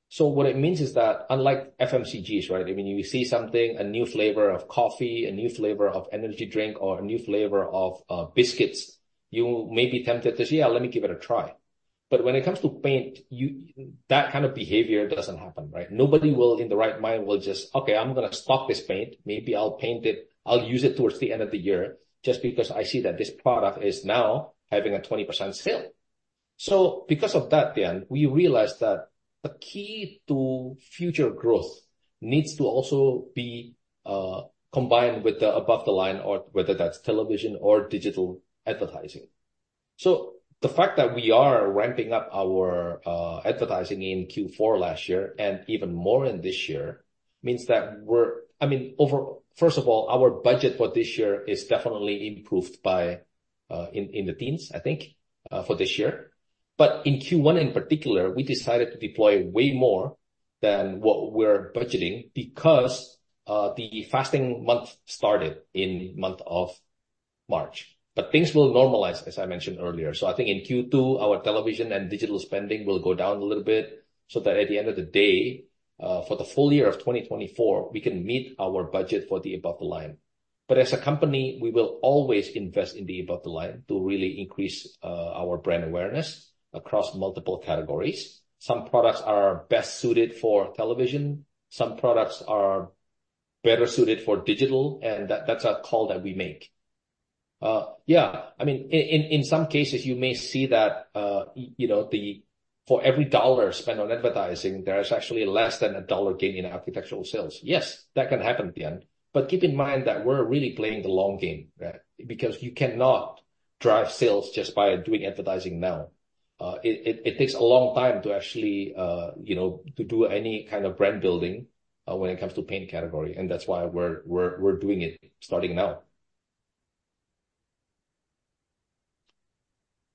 S3: So what it means is that unlike FMCGs, right, I mean, you see something, a new flavor of coffee, a new flavor of energy drink, or a new flavor of biscuits, you may be tempted to say, "Yeah, let me give it a try." But when it comes to paint, that kind of behavior doesn't happen, right? Nobody will, in the right mind, will just, "Okay, I'm going to stock this paint. Maybe I'll paint it. I'll use it towards the end of the year just because I see that this product is now having a 20% sale." So because of that, Tian, we realized that the key to future growth needs to also be combined with the above-the-line, whether that's television or digital advertising. So the fact that we are ramping up our advertising in Q4 last year and even more in this year means that we're—I mean, first of all, our budget for this year is definitely improved in the teens, I think, for this year. But in Q1 in particular, we decided to deploy way more than what we're budgeting because the fasting month started in the month of March. But things will normalize, as I mentioned earlier. So I think in Q2, our television and digital spending will go down a little bit so that at the end of the day, for the full year of 2024, we can meet our budget for the above-the-line. But as a company, we will always invest in the above-the-line to really increase our brand awareness across multiple categories. Some products are best suited for television. Some products are better suited for digital. And that's a call that we make. Yeah, I mean, in some cases, you may see that for every dollar spent on advertising, there is actually less than a dollar gain in architectural sales. Yes, that can happen, Tian. But keep in mind that we're really playing the long game, right? Because you cannot drive sales just by doing advertising now. It takes a long time to actually do any kind of brand building when it comes to paint category. That's why we're doing it starting now.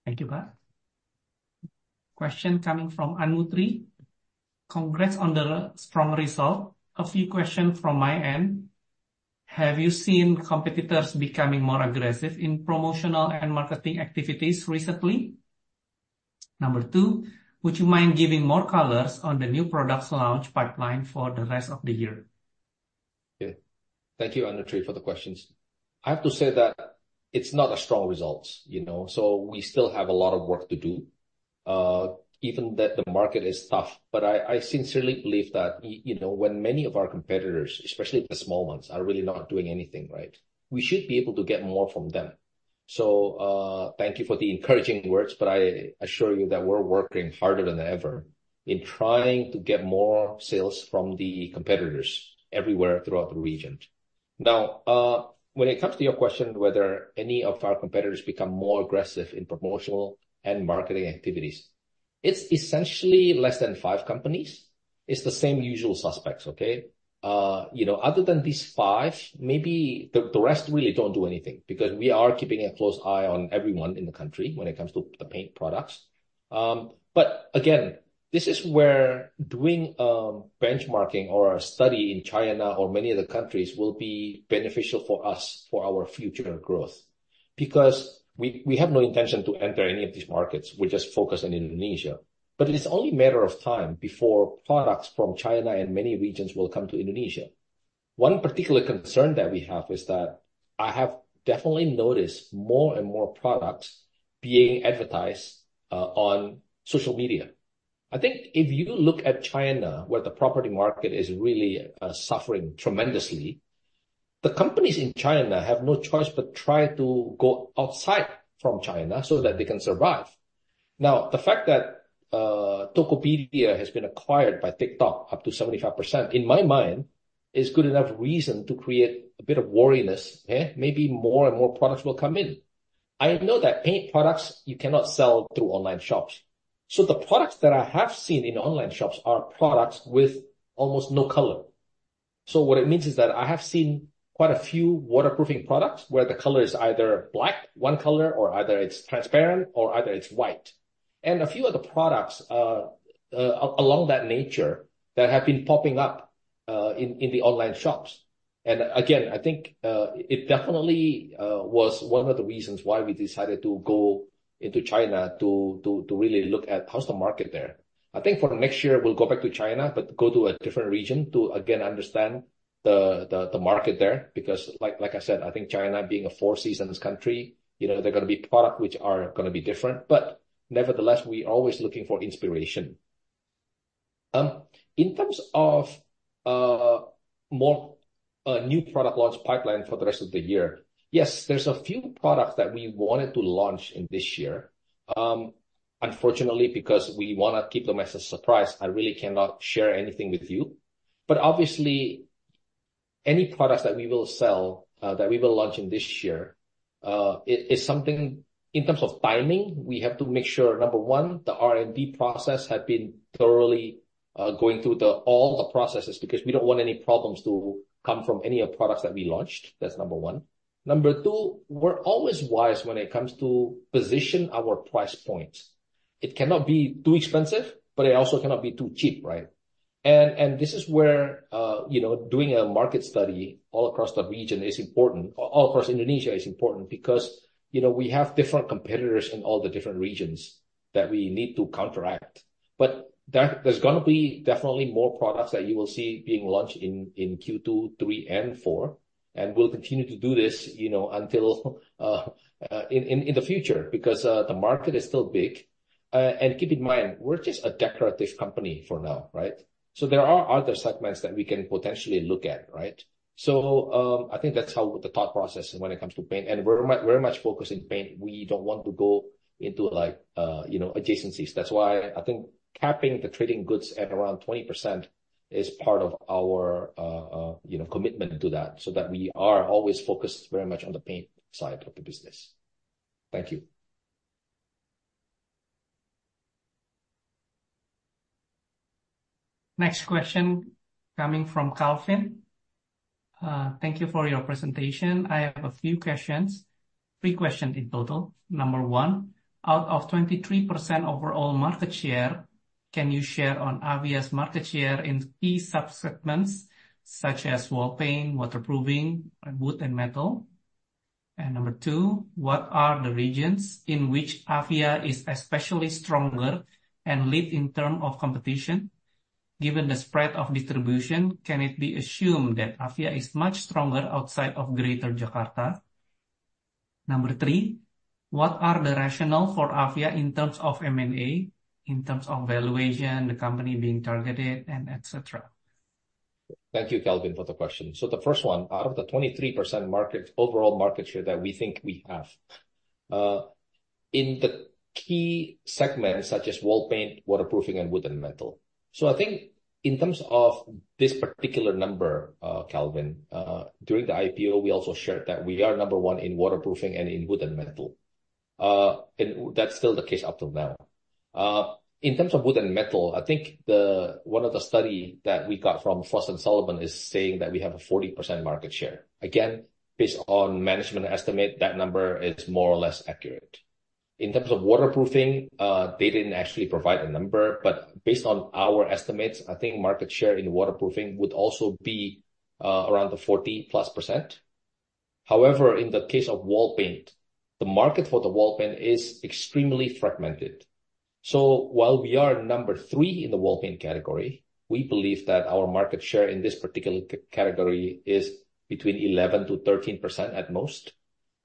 S1: Thank you, Pak. Question coming from Anuthree. Congrats on the strong result. A few questions from my end. Have you seen competitors becoming more aggressive in promotional and marketing activities recently? Number two, would you mind giving more colors on the new products launch pipeline for the rest of the year?
S4: Yeah, thank you, Anuthree, for the questions. I have to say that it's not a strong result. So we still have a lot of work to do, even though the market is tough. But I sincerely believe that when many of our competitors, especially the small ones, are really not doing anything, right, we should be able to get more from them. So thank you for the encouraging words. But I assure you that we're working harder than ever in trying to get more sales from the competitors everywhere throughout the region. Now, when it comes to your question whether any of our competitors become more aggressive in promotional and marketing activities, it's essentially less than five companies. It's the same usual suspects, okay? Other than these five, maybe the rest really don't do anything because we are keeping a close eye on everyone in the country when it comes to the paint products. But again, this is where doing benchmarking or a study in China or many other countries will be beneficial for us for our future growth because we have no intention to enter any of these markets. We're just focused on Indonesia. But it's only a matter of time before products from China and many regions will come to Indonesia. One particular concern that we have is that I have definitely noticed more and more products being advertised on social media. I think if you look at China, where the property market is really suffering tremendously, the companies in China have no choice but to try to go outside from China so that they can survive. Now, the fact that Tokopedia has been acquired by TikTok up to 75%, in my mind, is good enough reason to create a bit of worrisomeness, okay? Maybe more and more products will come in. I know that paint products, you cannot sell through online shops. So the products that I have seen in online shops are products with almost no color. So what it means is that I have seen quite a few waterproofing products where the color is either black, one color, or either it's transparent, or either it's white. And a few other products along that nature that have been popping up in the online shops. And again, I think it definitely was one of the reasons why we decided to go into China to really look at how's the market there? I think for next year, we'll go back to China, but go to a different region to again understand the market there because, like I said, I think China, being a four-seasons country, there are going to be products which are going to be different. But nevertheless, we're always looking for inspiration. In terms of a new product launch pipeline for the rest of the year, yes, there's a few products that we wanted to launch in this year. Unfortunately, because we want to keep them as a surprise, I really cannot share anything with you. But obviously, any products that we will sell, that we will launch in this year, in terms of timing, we have to make sure, number one, the R&D process has been thoroughly going through all the processes because we don't want any problems to come from any of the products that we launched. That's number one. Number two, we're always wise when it comes to positioning our price points. It cannot be too expensive, but it also cannot be too cheap, right? And this is where doing a market study all across the region is important. All across Indonesia is important because we have different competitors in all the different regions that we need to counteract. But there's going to be definitely more products that you will see being launched in Q2, Q3, and Q4. And we'll continue to do this in the future because the market is still big. And keep in mind, we're just a decorative company for now, right? So there are other segments that we can potentially look at, right? So I think that's how the thought process is when it comes to paint. And we're very much focused on paint. We don't want to go into adjacencies. That's why I think capping the trading goods at around 20% is part of our commitment to that so that we are always focused very much on the paint side of the business. Thank you.
S1: Next question coming from Calvin. Thank you for your presentation. I have a few questions, three questions in total. Number one, out of 23% overall market share, can you share on Avia's market share in key subsegments such as wall paint, waterproofing, wood, and metal? And number two, what are the regions in which Avia is especially stronger and lead in terms of competition? Given the spread of distribution, can it be assumed that Avia is much stronger outside of Greater Jakarta? Number three, what are the rationales for Avia in terms of M&A, in terms of valuation, the company being targeted, and etc.?
S4: Thank you, Calvin, for the question. So the first one, out of the 23% overall market share that we think we have in the key segments such as wall paint, waterproofing, and wood, and metal. So I think in terms of this particular number, Calvin, during the IPO, we also shared that we are number one in waterproofing and in wood and metal. And that's still the case up till now. In terms of wood and metal, I think one of the studies that we got from Frost & Sullivan is saying that we have a 40% market share. Again, based on management estimate, that number is more or less accurate. In terms of waterproofing, they didn't actually provide a number. But based on our estimates, I think market share in waterproofing would also be around the 40%+. However, in the case of wall paint, the market for the wall paint is extremely fragmented. While we are number three in the wall paint category, we believe that our market share in this particular category is between 11%-13% at most.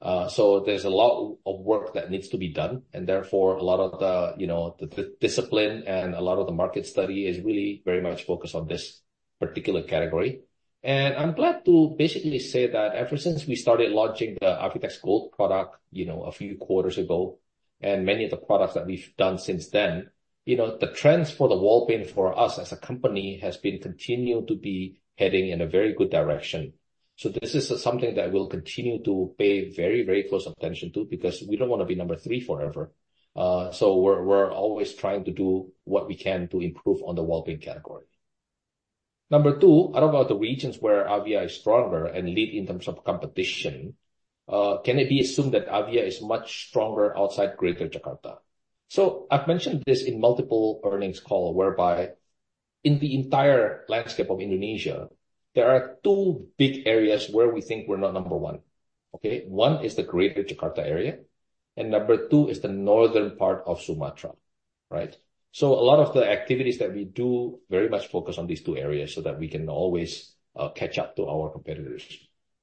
S4: There's a lot of work that needs to be done. Therefore, a lot of the discipline and a lot of the market study is really very much focused on this particular category. I'm glad to basically say that ever since we started launching the Avitex Gold product a few quarters ago and many of the products that we've done since then, the trends for the wall paint for us as a company have continued to be heading in a very good direction. So this is something that we'll continue to pay very, very close attention to because we don't want to be number three forever. So we're always trying to do what we can to improve on the wall paint category. Number two, out of the regions where Avia is stronger and lead in terms of competition, can it be assumed that Avia is much stronger outside Greater Jakarta? So I've mentioned this in multiple earnings calls whereby in the entire landscape of Indonesia, there are two big areas where we think we're not number one, okay? One is the Greater Jakarta area. And number two is the northern part of Sumatra, right? So a lot of the activities that we do very much focus on these two areas so that we can always catch up to our competitors.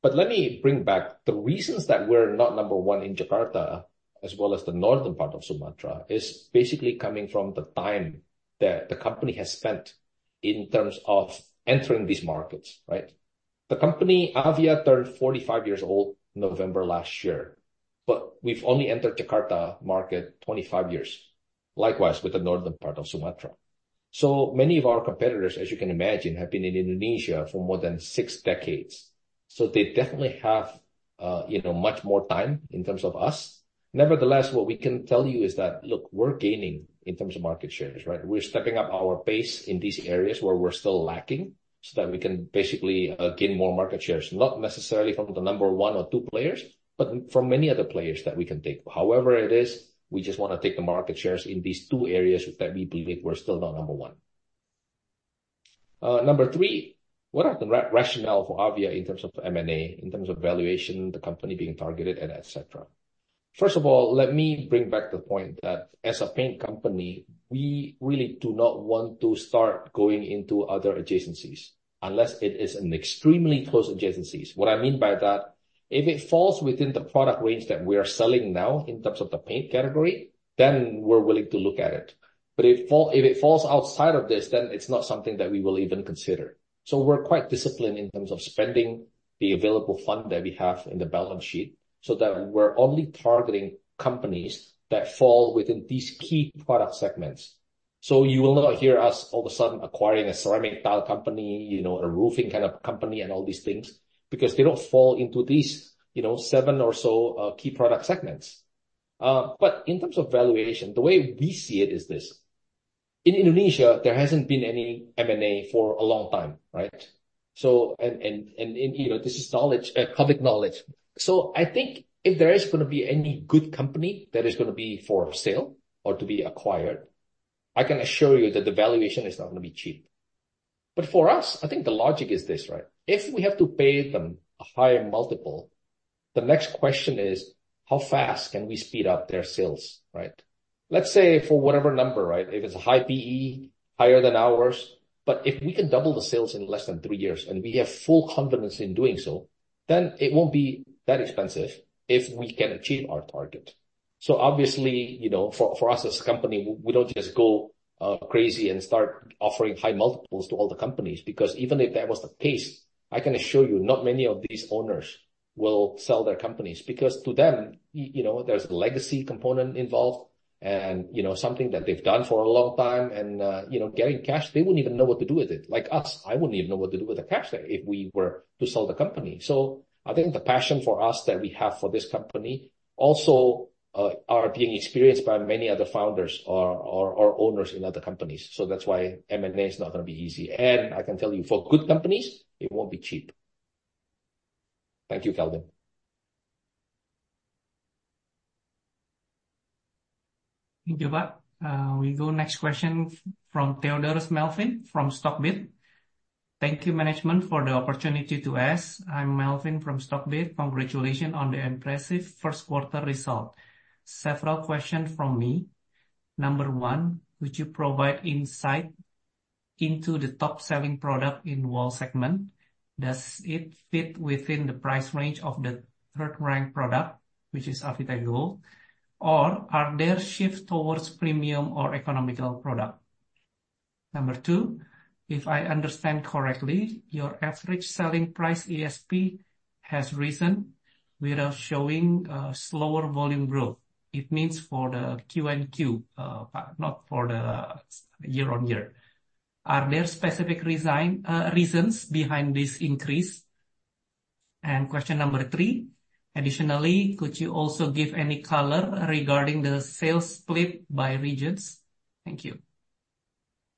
S4: But let me bring back the reasons that we're not number one in Jakarta as well as the northern part of Sumatra is basically coming from the time that the company has spent in terms of entering these markets, right? The company, Avian, turned 45 years old November last year. But we've only entered the Jakarta market 25 years, likewise with the northern part of Sumatra. So many of our competitors, as you can imagine, have been in Indonesia for more than six decades. So they definitely have much more time in terms of us. Nevertheless, what we can tell you is that, look, we're gaining in terms of market shares, right? We're stepping up our pace in these areas where we're still lacking so that we can basically gain more market shares, not necessarily from the number one or two players, but from many other players that we can take. However it is, we just want to take the market shares in these two areas that we believe we're still not number one. Number three, what are the rationales for Avia in terms of M&A, in terms of valuation, the company being targeted, and etc.? First of all, let me bring back the point that as a paint company, we really do not want to start going into other adjacencies unless it is in extremely close adjacencies. What I mean by that, if it falls within the product range that we are selling now in terms of the paint category, then we're willing to look at it. But if it falls outside of this, then it's not something that we will even consider. We're quite disciplined in terms of spending the available fund that we have in the balance sheet so that we're only targeting companies that fall within these key product segments. You will not hear us all of a sudden acquiring a ceramic tile company, a roofing kind of company, and all these things because they don't fall into these seven or so key product segments. But in terms of valuation, the way we see it is this. In Indonesia, there hasn't been any M&A for a long time, right? This is public knowledge. I think if there is going to be any good company that is going to be for sale or to be acquired, I can assure you that the valuation is not going to be cheap. But for us, I think the logic is this, right? If we have to pay them a higher multiple, the next question is, how fast can we speed up their sales, right? Let's say for whatever number, right? If it's a high PE, higher than ours. But if we can double the sales in less than three years, and we have full confidence in doing so, then it won't be that expensive if we can achieve our target. So obviously, for us as a company, we don't just go crazy and start offering high multiples to all the companies because even if that was the case, I can assure you not many of these owners will sell their companies because to them, there's a legacy component involved and something that they've done for a long time. And getting cash, they wouldn't even know what to do with it. Like us, I wouldn't even know what to do with the cash if we were to sell the company. So I think the passion for us that we have for this company also is being experienced by many other founders or owners in other companies. So that's why M&A is not going to be easy. And I can tell you, for good companies, it won't be cheap. Thank you, Calvin.
S1: Thank you, Pak. We go next question from Theodore Melvin from Stockbit. "Thank you, management, for the opportunity to ask. I'm Melvin from Stockbit. Congratulations on the impressive first-quarter result. Several questions from me. Number one, could you provide insight into the top-selling product in the wall segment? Does it fit within the price range of the third-ranked product, which is Avitex Gold, or are there shifts towards premium or economical products? Number two, if I understand correctly, your average selling price ESP has risen without showing slower volume growth. It means for the Q-on-Q, not for the year-on-year. Are there specific reasons behind this increase? And question number three, additionally, could you also give any color regarding the sales split by regions? Thank you.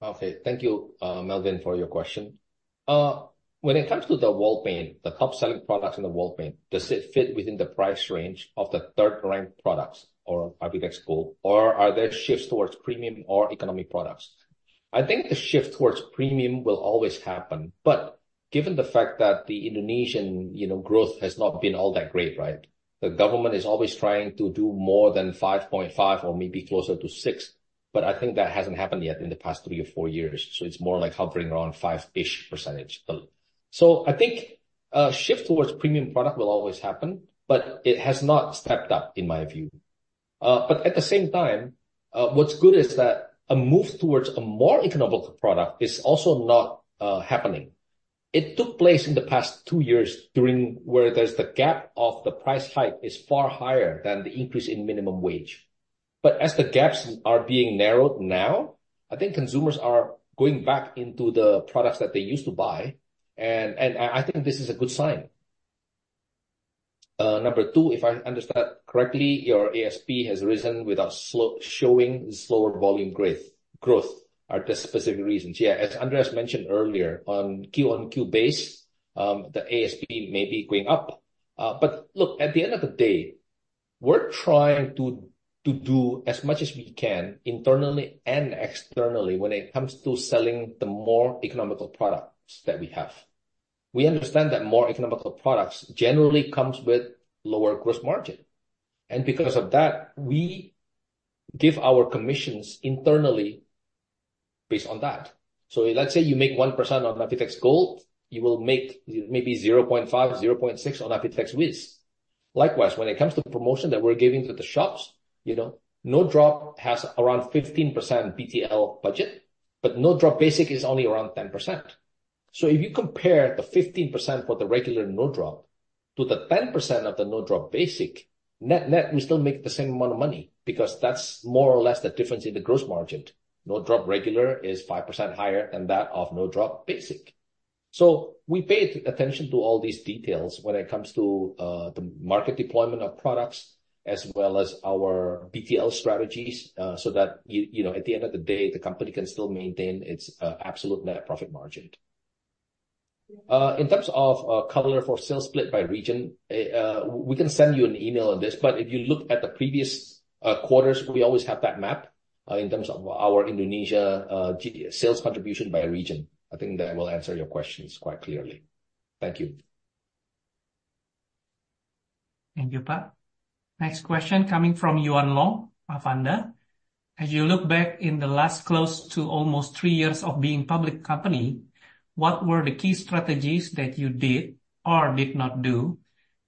S4: Okay. Thank you, Melvin, for your question. When it comes to the wall paint, the top-selling products in the wall paint, does it fit within the price range of the third-ranked products or Architects Gold, or are there shifts towards premium or economic products? I think the shift towards premium will always happen. But given the fact that the Indonesian growth has not been all that great, right? The government is always trying to do more than 5.5% or maybe closer to 6%. But I think that hasn't happened yet in the past three or four years. So it's more like hovering around 5%-ish. So I think a shift towards premium products will always happen, but it has not stepped up, in my view. But at the same time, what's good is that a move towards a more economical product is also not happening. It took place in the past two years where the gap of the price hike is far higher than the increase in minimum wage. But as the gaps are being narrowed now, I think consumers are going back into the products that they used to buy. And I think this is a good sign. Number two, if I understand correctly, your ASP has risen without showing slower volume growth. Are there specific reasons? Yeah. As Andreas mentioned earlier, on a Q-on-Q basis, the ASP may be going up. But look, at the end of the day, we're trying to do as much as we can internally and externally when it comes to selling the more economical products that we have. We understand that more economical products generally come with lower gross margin. And because of that, we give our commissions internally based on that. So let's say you make 1% on Avitex Gold, you will make maybe 0.5%, 0.6% on Avitex Wizz. Likewise, when it comes to promotion that we're giving to the shops, No Drop has around 15% BTL budget, but No Drop Basic is only around 10%. So if you compare the 15% for the regular No Drop to the 10% of the No Drop Basic, net-net, we still make the same amount of money because that's more or less the difference in the gross margin. No Drop regular is 5% higher than that of No Drop Basic. So we pay attention to all these details when it comes to the market deployment of products as well as our BTL strategies so that at the end of the day, the company can still maintain its absolute net profit margin. In terms of quarter for sales split by region, we can send you an email on this. But if you look at the previous quarters, we always have that map in terms of our Indonesia sales contribution by region. I think that will answer your questions quite clearly. Thank you.
S1: Thank you, Pak. Next question coming from Yuan Long, Avanda. "As you look back in the last close to almost three years of being a public company, what were the key strategies that you did or did not do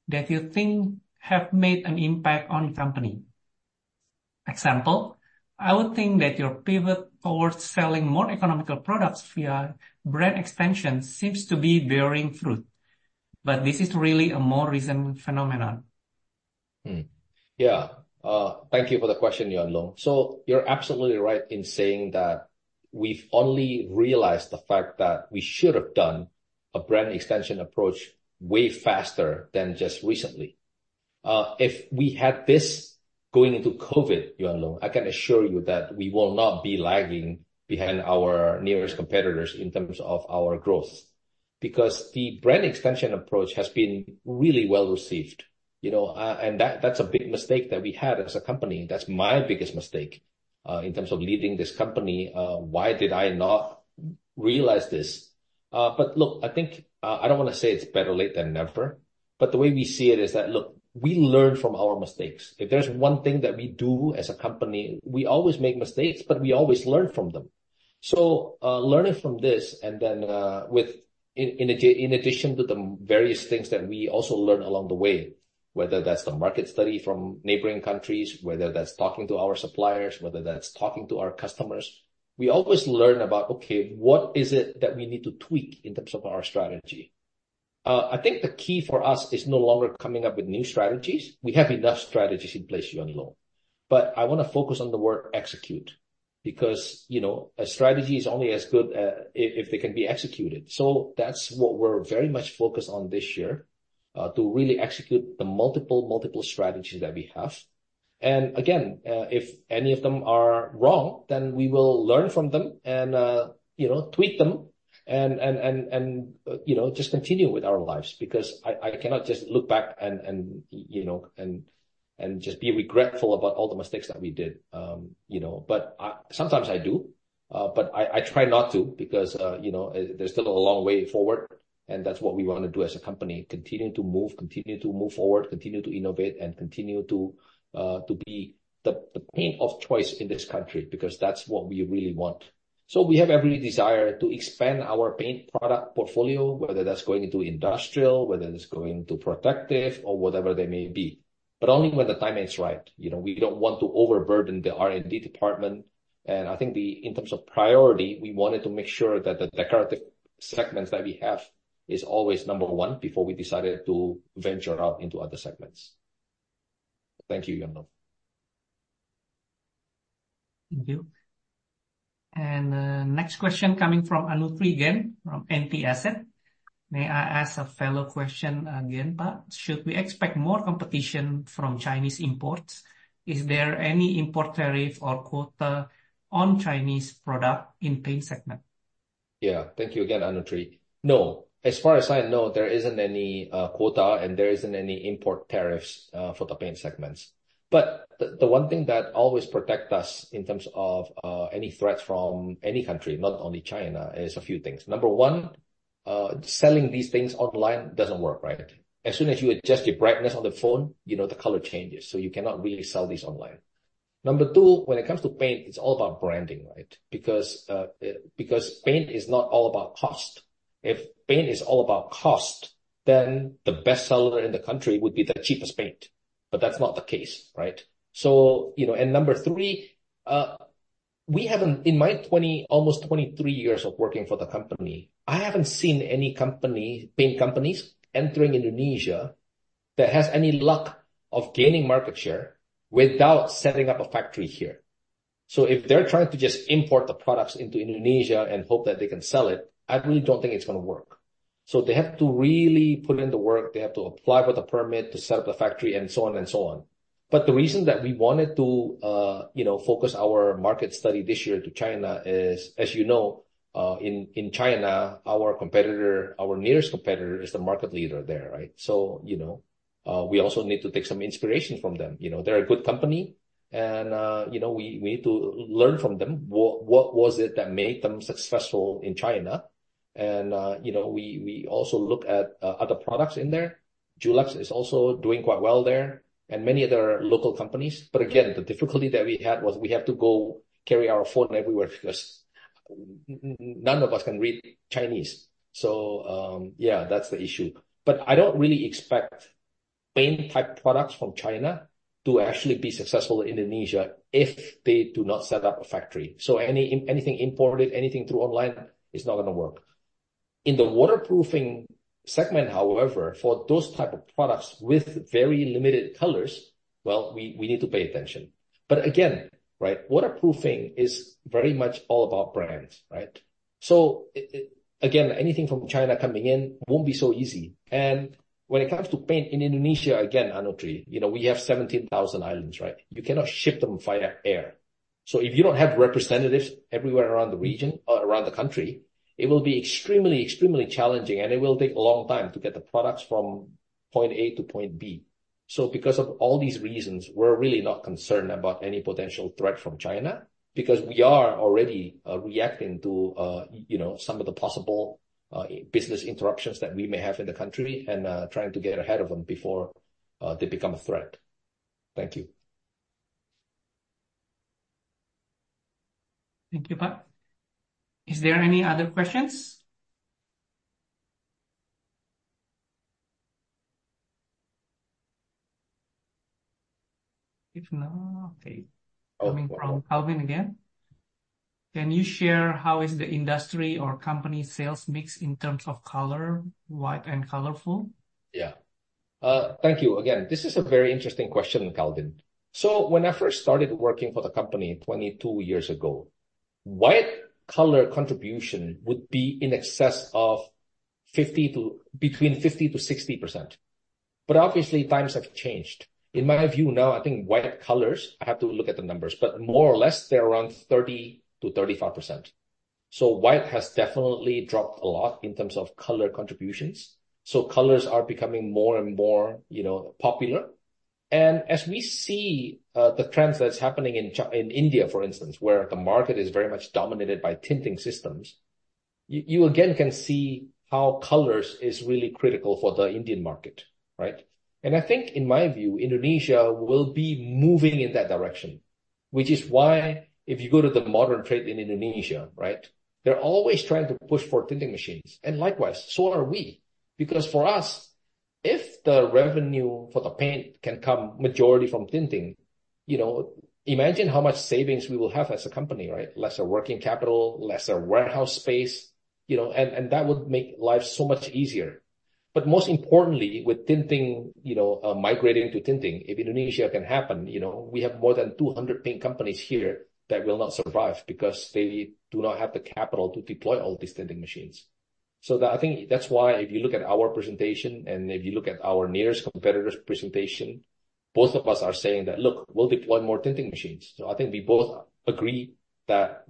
S1: that you think have made an impact on the company? Example, I would think that your pivot towards selling more economical products via brand extension seems to be bearing fruit. But this is really a more recent phenomenon.
S3: Yeah. Thank you for the question, Yuan Long. So you're absolutely right in saying that we've only realized the fact that we should have done a brand extension approach way faster than just recently. If we had this going into COVID, Yuan Long, I can assure you that we will not be lagging behind our nearest competitors in terms of our growth because the brand extension approach has been really well received. And that's a big mistake that we had as a company. That's my biggest mistake in terms of leading this company. Why did I not realize this? But look, I don't want to say it's better late than never. But the way we see it is that, look, we learn from our mistakes. If there's one thing that we do as a company, we always make mistakes, but we always learn from them. So learning from this and then in addition to the various things that we also learn along the way, whether that's the market study from neighboring countries, whether that's talking to our suppliers, whether that's talking to our customers, we always learn about, okay, what is it that we need to tweak in terms of our strategy? I think the key for us is no longer coming up with new strategies. We have enough strategies in place, Yuan Long. But I want to focus on the word execute because a strategy is only as good if they can be executed. So that's what we're very much focused on this year, to really execute the multiple, multiple strategies that we have. Again, if any of them are wrong, then we will learn from them and tweak them and just continue with our lives because I cannot just look back and just be regretful about all the mistakes that we did. Sometimes I do. I try not to because there's still a long way forward. That's what we want to do as a company, continue to move, continue to move forward, continue to innovate, and continue to be the paint of choice in this country because that's what we really want. We have every desire to expand our paint product portfolio, whether that's going into industrial, whether it's going into protective, or whatever they may be, but only when the timing is right. We don't want to overburden the R&D department. I think in terms of priority, we wanted to make sure that the decorative segments that we have are always number one before we decided to venture out into other segments. Thank you, Yuan Long.
S1: Thank you. Next question coming from Anutri again from NT Asset. "May I ask a follow-up question again, Pak? Should we expect more competition from Chinese imports? Is there any import tariff or quota on Chinese products in the paint segment?
S4: Yeah. Thank you again, Anutri. No. As far as I know, there isn't any quota, and there isn't any import tariffs for the paint segments. But the one thing that always protects us in terms of any threats from any country, not only China, is a few things. Number one, selling these things online doesn't work, right? As soon as you adjust your brightness on the phone, the color changes. So you cannot really sell these online. Number two, when it comes to paint, it's all about branding, right, because paint is not all about cost. If paint is all about cost, then the bestseller in the country would be the cheapest paint. But that's not the case, right? And number three, in my almost 23 years of working for the company, I haven't seen any paint companies entering Indonesia that have any luck of gaining market share without setting up a factory here. So if they're trying to just import the products into Indonesia and hope that they can sell it, I really don't think it's going to work. So they have to really put in the work. They have to apply for the permit to set up the factory and so on and so on. But the reason that we wanted to focus our market study this year to China is, as you know, in China, our nearest competitor is the market leader there, right? So we also need to take some inspiration from them. They're a good company. And we need to learn from them. What was it that made them successful in China? We also look at other products in there. Dulux is also doing quite well there, and many other local companies. But again, the difficulty that we had was we have to go carry our phone everywhere because none of us can read Chinese. So yeah, that's the issue. But I don't really expect paint-type products from China to actually be successful in Indonesia if they do not set up a factory. So anything imported, anything through online is not going to work. In the waterproofing segment, however, for those types of products with very limited colors, well, we need to pay attention. But again, right, waterproofing is very much all about brands, right? So again, anything from China coming in won't be so easy. And when it comes to paint in Indonesia, again, Anutri, we have 17,000 islands, right? You cannot ship them via air. If you don't have representatives everywhere around the region or around the country, it will be extremely, extremely challenging. It will take a long time to get the products from point A to point B. Because of all these reasons, we're really not concerned about any potential threat from China because we are already reacting to some of the possible business interruptions that we may have in the country and trying to get ahead of them before they become a threat. Thank you.
S1: Thank you, Pak. Is there any other questions? If not, okay. Coming from Calvin again. "Can you share how is the industry or company sales mix in terms of color, white, and colorful?
S4: Yeah. Thank you again. This is a very interesting question, Calvin. So when I first started working for the company 22 years ago, white color contribution would be in excess of between 50%-60%. But obviously, times have changed. In my view now, I think white colors I have to look at the numbers, but more or less, they're around 30%-35%. So white has definitely dropped a lot in terms of color contributions. So colors are becoming more and more popular. And as we see the trends that's happening in India, for instance, where the market is very much dominated by tinting systems, you again can see how colors are really critical for the Indian market, right? And I think, in my view, Indonesia will be moving in that direction, which is why if you go to the modern trade in Indonesia, right, they're always trying to push for tinting machines. And likewise, so are we because for us, if the revenue for the paint can come majority from tinting, imagine how much savings we will have as a company, right? Lesser working capital, lesser warehouse space. And that would make life so much easier. But most importantly, with migrating to tinting, if Indonesia can happen, we have more than 200 paint companies here that will not survive because they do not have the capital to deploy all these tinting machines. So I think that's why if you look at our presentation and if you look at our nearest competitors' presentation, both of us are saying that, "Look, we'll deploy more tinting machines." So I think we both agree that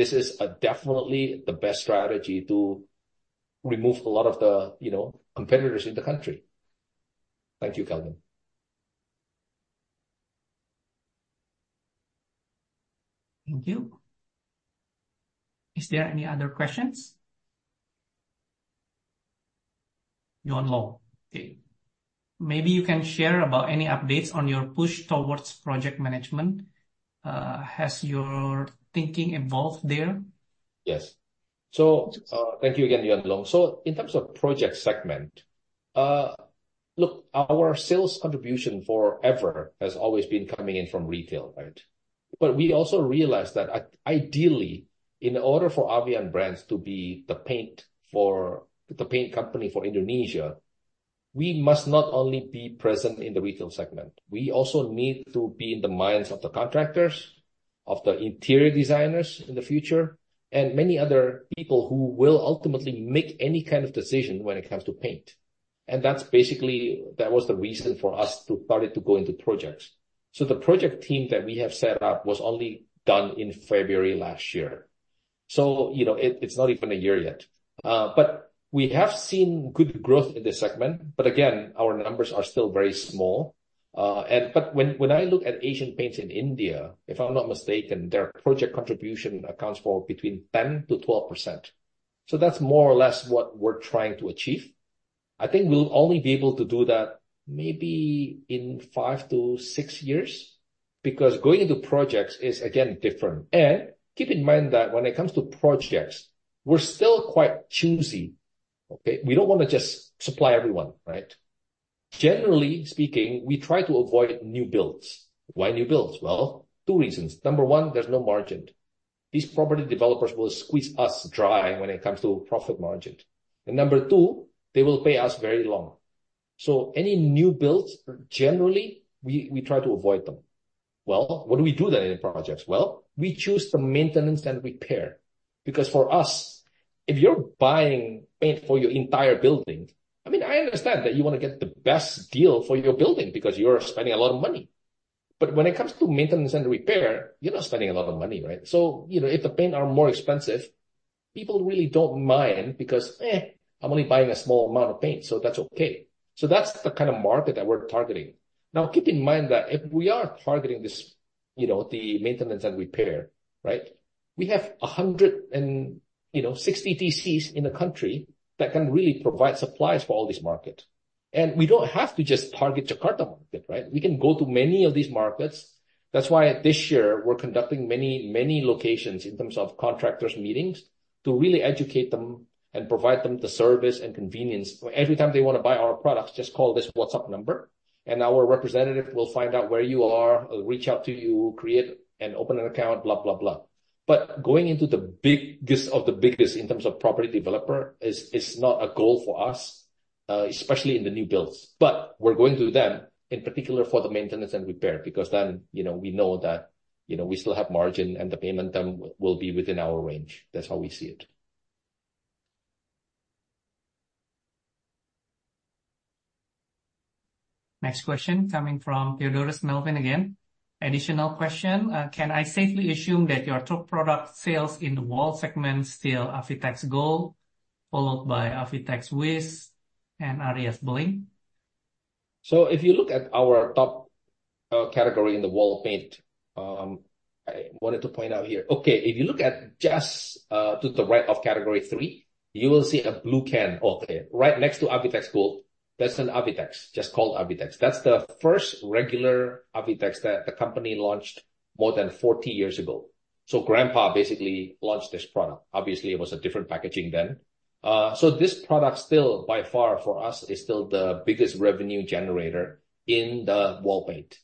S4: this is definitely the best strategy to remove a lot of the competitors in the country. Thank you, Calvin.
S1: Thank you. Is there any other questions? Yuan Long, okay. Maybe you can share about any updates on your push towards project management. Has your thinking evolved there?
S4: Yes. So thank you again, Yuan Long. So in terms of project segment, look, our sales contribution forever has always been coming in from retail, right? But we also realized that ideally, in order for Avian Brands to be the paint company for Indonesia, we must not only be present in the retail segment. We also need to be in the minds of the contractors, of the interior designers in the future, and many other people who will ultimately make any kind of decision when it comes to paint. And that was the reason for us to start to go into projects. So the project team that we have set up was only done in February last year. So it's not even a year yet. But we have seen good growth in this segment. But again, our numbers are still very small. But when I look at Asian Paints in India, if I'm not mistaken, their project contribution accounts for between 10%-12%. So that's more or less what we're trying to achieve. I think we'll only be able to do that maybe in 5-6 years because going into projects is, again, different. And keep in mind that when it comes to projects, we're still quite choosy, okay? We don't want to just supply everyone, right? Generally speaking, we try to avoid new builds. Why new builds? Well, two reasons. Number one, there's no margin. These property developers will squeeze us dry when it comes to profit margin. And number two, they will pay us very long. So any new builds, generally, we try to avoid them. Well, what do we do then in projects? Well, we choose the maintenance and repair because for us, if you're buying paint for your entire building, I mean, I understand that you want to get the best deal for your building because you're spending a lot of money. But when it comes to maintenance and repair, you're not spending a lot of money, right? So if the paints are more expensive, people really don't mind because I'm only buying a small amount of paint. So that's okay. So that's the kind of market that we're targeting. Now, keep in mind that if we are targeting the maintenance and repair, right, we have 160 DCs in the country that can really provide supplies for all these markets. And we don't have to just target Jakarta market, right? We can go to many of these markets. That's why this year, we're conducting many, many locations in terms of contractors' meetings to really educate them and provide them the service and convenience. Every time they want to buy our products, just call this WhatsApp number. And our representative will find out where you are, reach out to you, create and open an account, blah, blah, blah. But going into the biggest of the biggest in terms of property developer is not a goal for us, especially in the new builds. But we're going to them, in particular for the maintenance and repair because then we know that we still have margin and the payment term will be within our range. That's how we see it.
S1: Next question coming from Theodore Melvin again. "Additional question. Can I safely assume that your top product sales in the wall segment still are Avitex Gold followed by Avitex Wizz and Aries Bling?
S4: So if you look at our top category in the wall paint, I wanted to point out here, okay, if you look at just to the right of category three, you will see a blue can. Okay, right next to Avitex Gold, that's an Avitex, just called Avitex. That's the first regular Avitex that the company launched more than 40 years ago. So grandpa basically launched this product. Obviously, it was a different packaging then. So this product still, by far for us, is still the biggest revenue generator in the wall paint.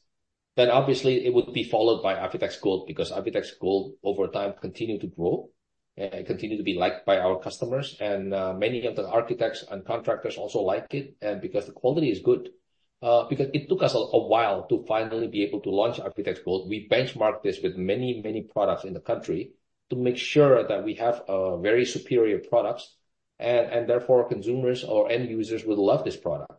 S4: Then obviously, it would be followed by Avitex Gold because Avitex Gold, over time, continued to grow. It continued to be liked by our customers. And many of the architects and contractors also liked it because the quality is good. Because it took us a while to finally be able to launch Avitex Gold, we benchmarked this with many, many products in the country to make sure that we have very superior products. Therefore, consumers or end users would love this product.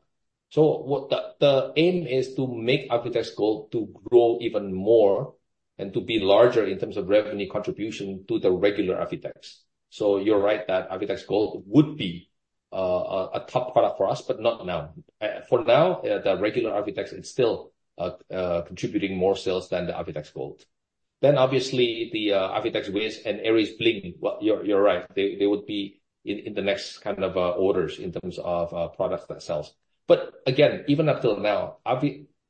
S4: The aim is to make Avitex Gold grow even more and to be larger in terms of revenue contribution to the regular Avitex. You're right that Avitex Gold would be a top product for us, but not now. For now, the regular Avitex, it's still contributing more sales than the Avitex Gold. Obviously, the Avitex Wizz and Aries Bling, you're right. They would be in the next kind of orders in terms of products that sells. Again, even until now,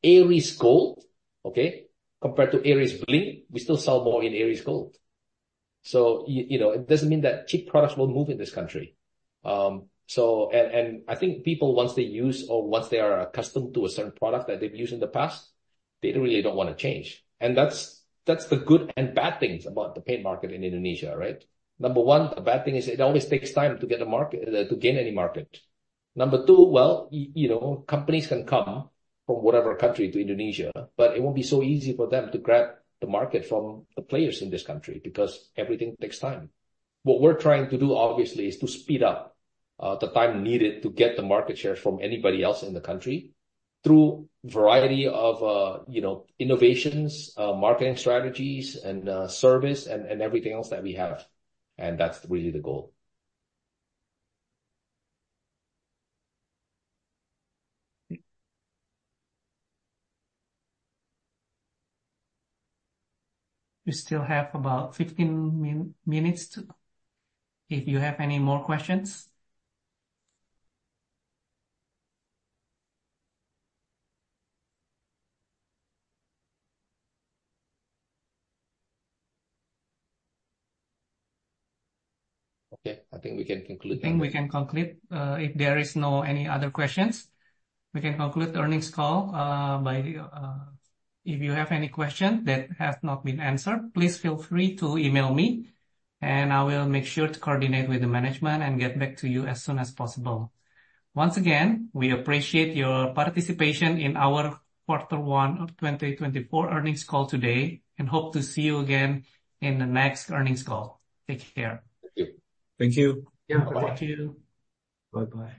S4: Aries Gold, okay, compared to Aries Bling, we still sell more in Aries Gold. It doesn't mean that cheap products won't move in this country. I think people, once they use or once they are accustomed to a certain product that they've used in the past, they really don't want to change. That's the good and bad things about the paint market in Indonesia, right? Number one, the bad thing is it always takes time to gain any market. Number two, well, companies can come from whatever country to Indonesia, but it won't be so easy for them to grab the market from the players in this country because everything takes time. What we're trying to do, obviously, is to speed up the time needed to get the market share from anybody else in the country through a variety of innovations, marketing strategies, and service, and everything else that we have. That's really the goal.
S1: We still have about 15 minutes if you have any more questions.
S3: Okay. I think we can conclude.
S1: I think we can conclude. If there are no any other questions, we can conclude the earnings call. If you have any question that has not been answered, please feel free to email me. I will make sure to coordinate with the management and get back to you as soon as possible. Once again, we appreciate your participation in our quarter one of 2024 earnings call today and hope to see you again in the next earnings call. Take care.
S3: Thank you.
S2: Thank you.
S4: Yeah. Bye.
S2: Thank you.
S3: Bye-bye.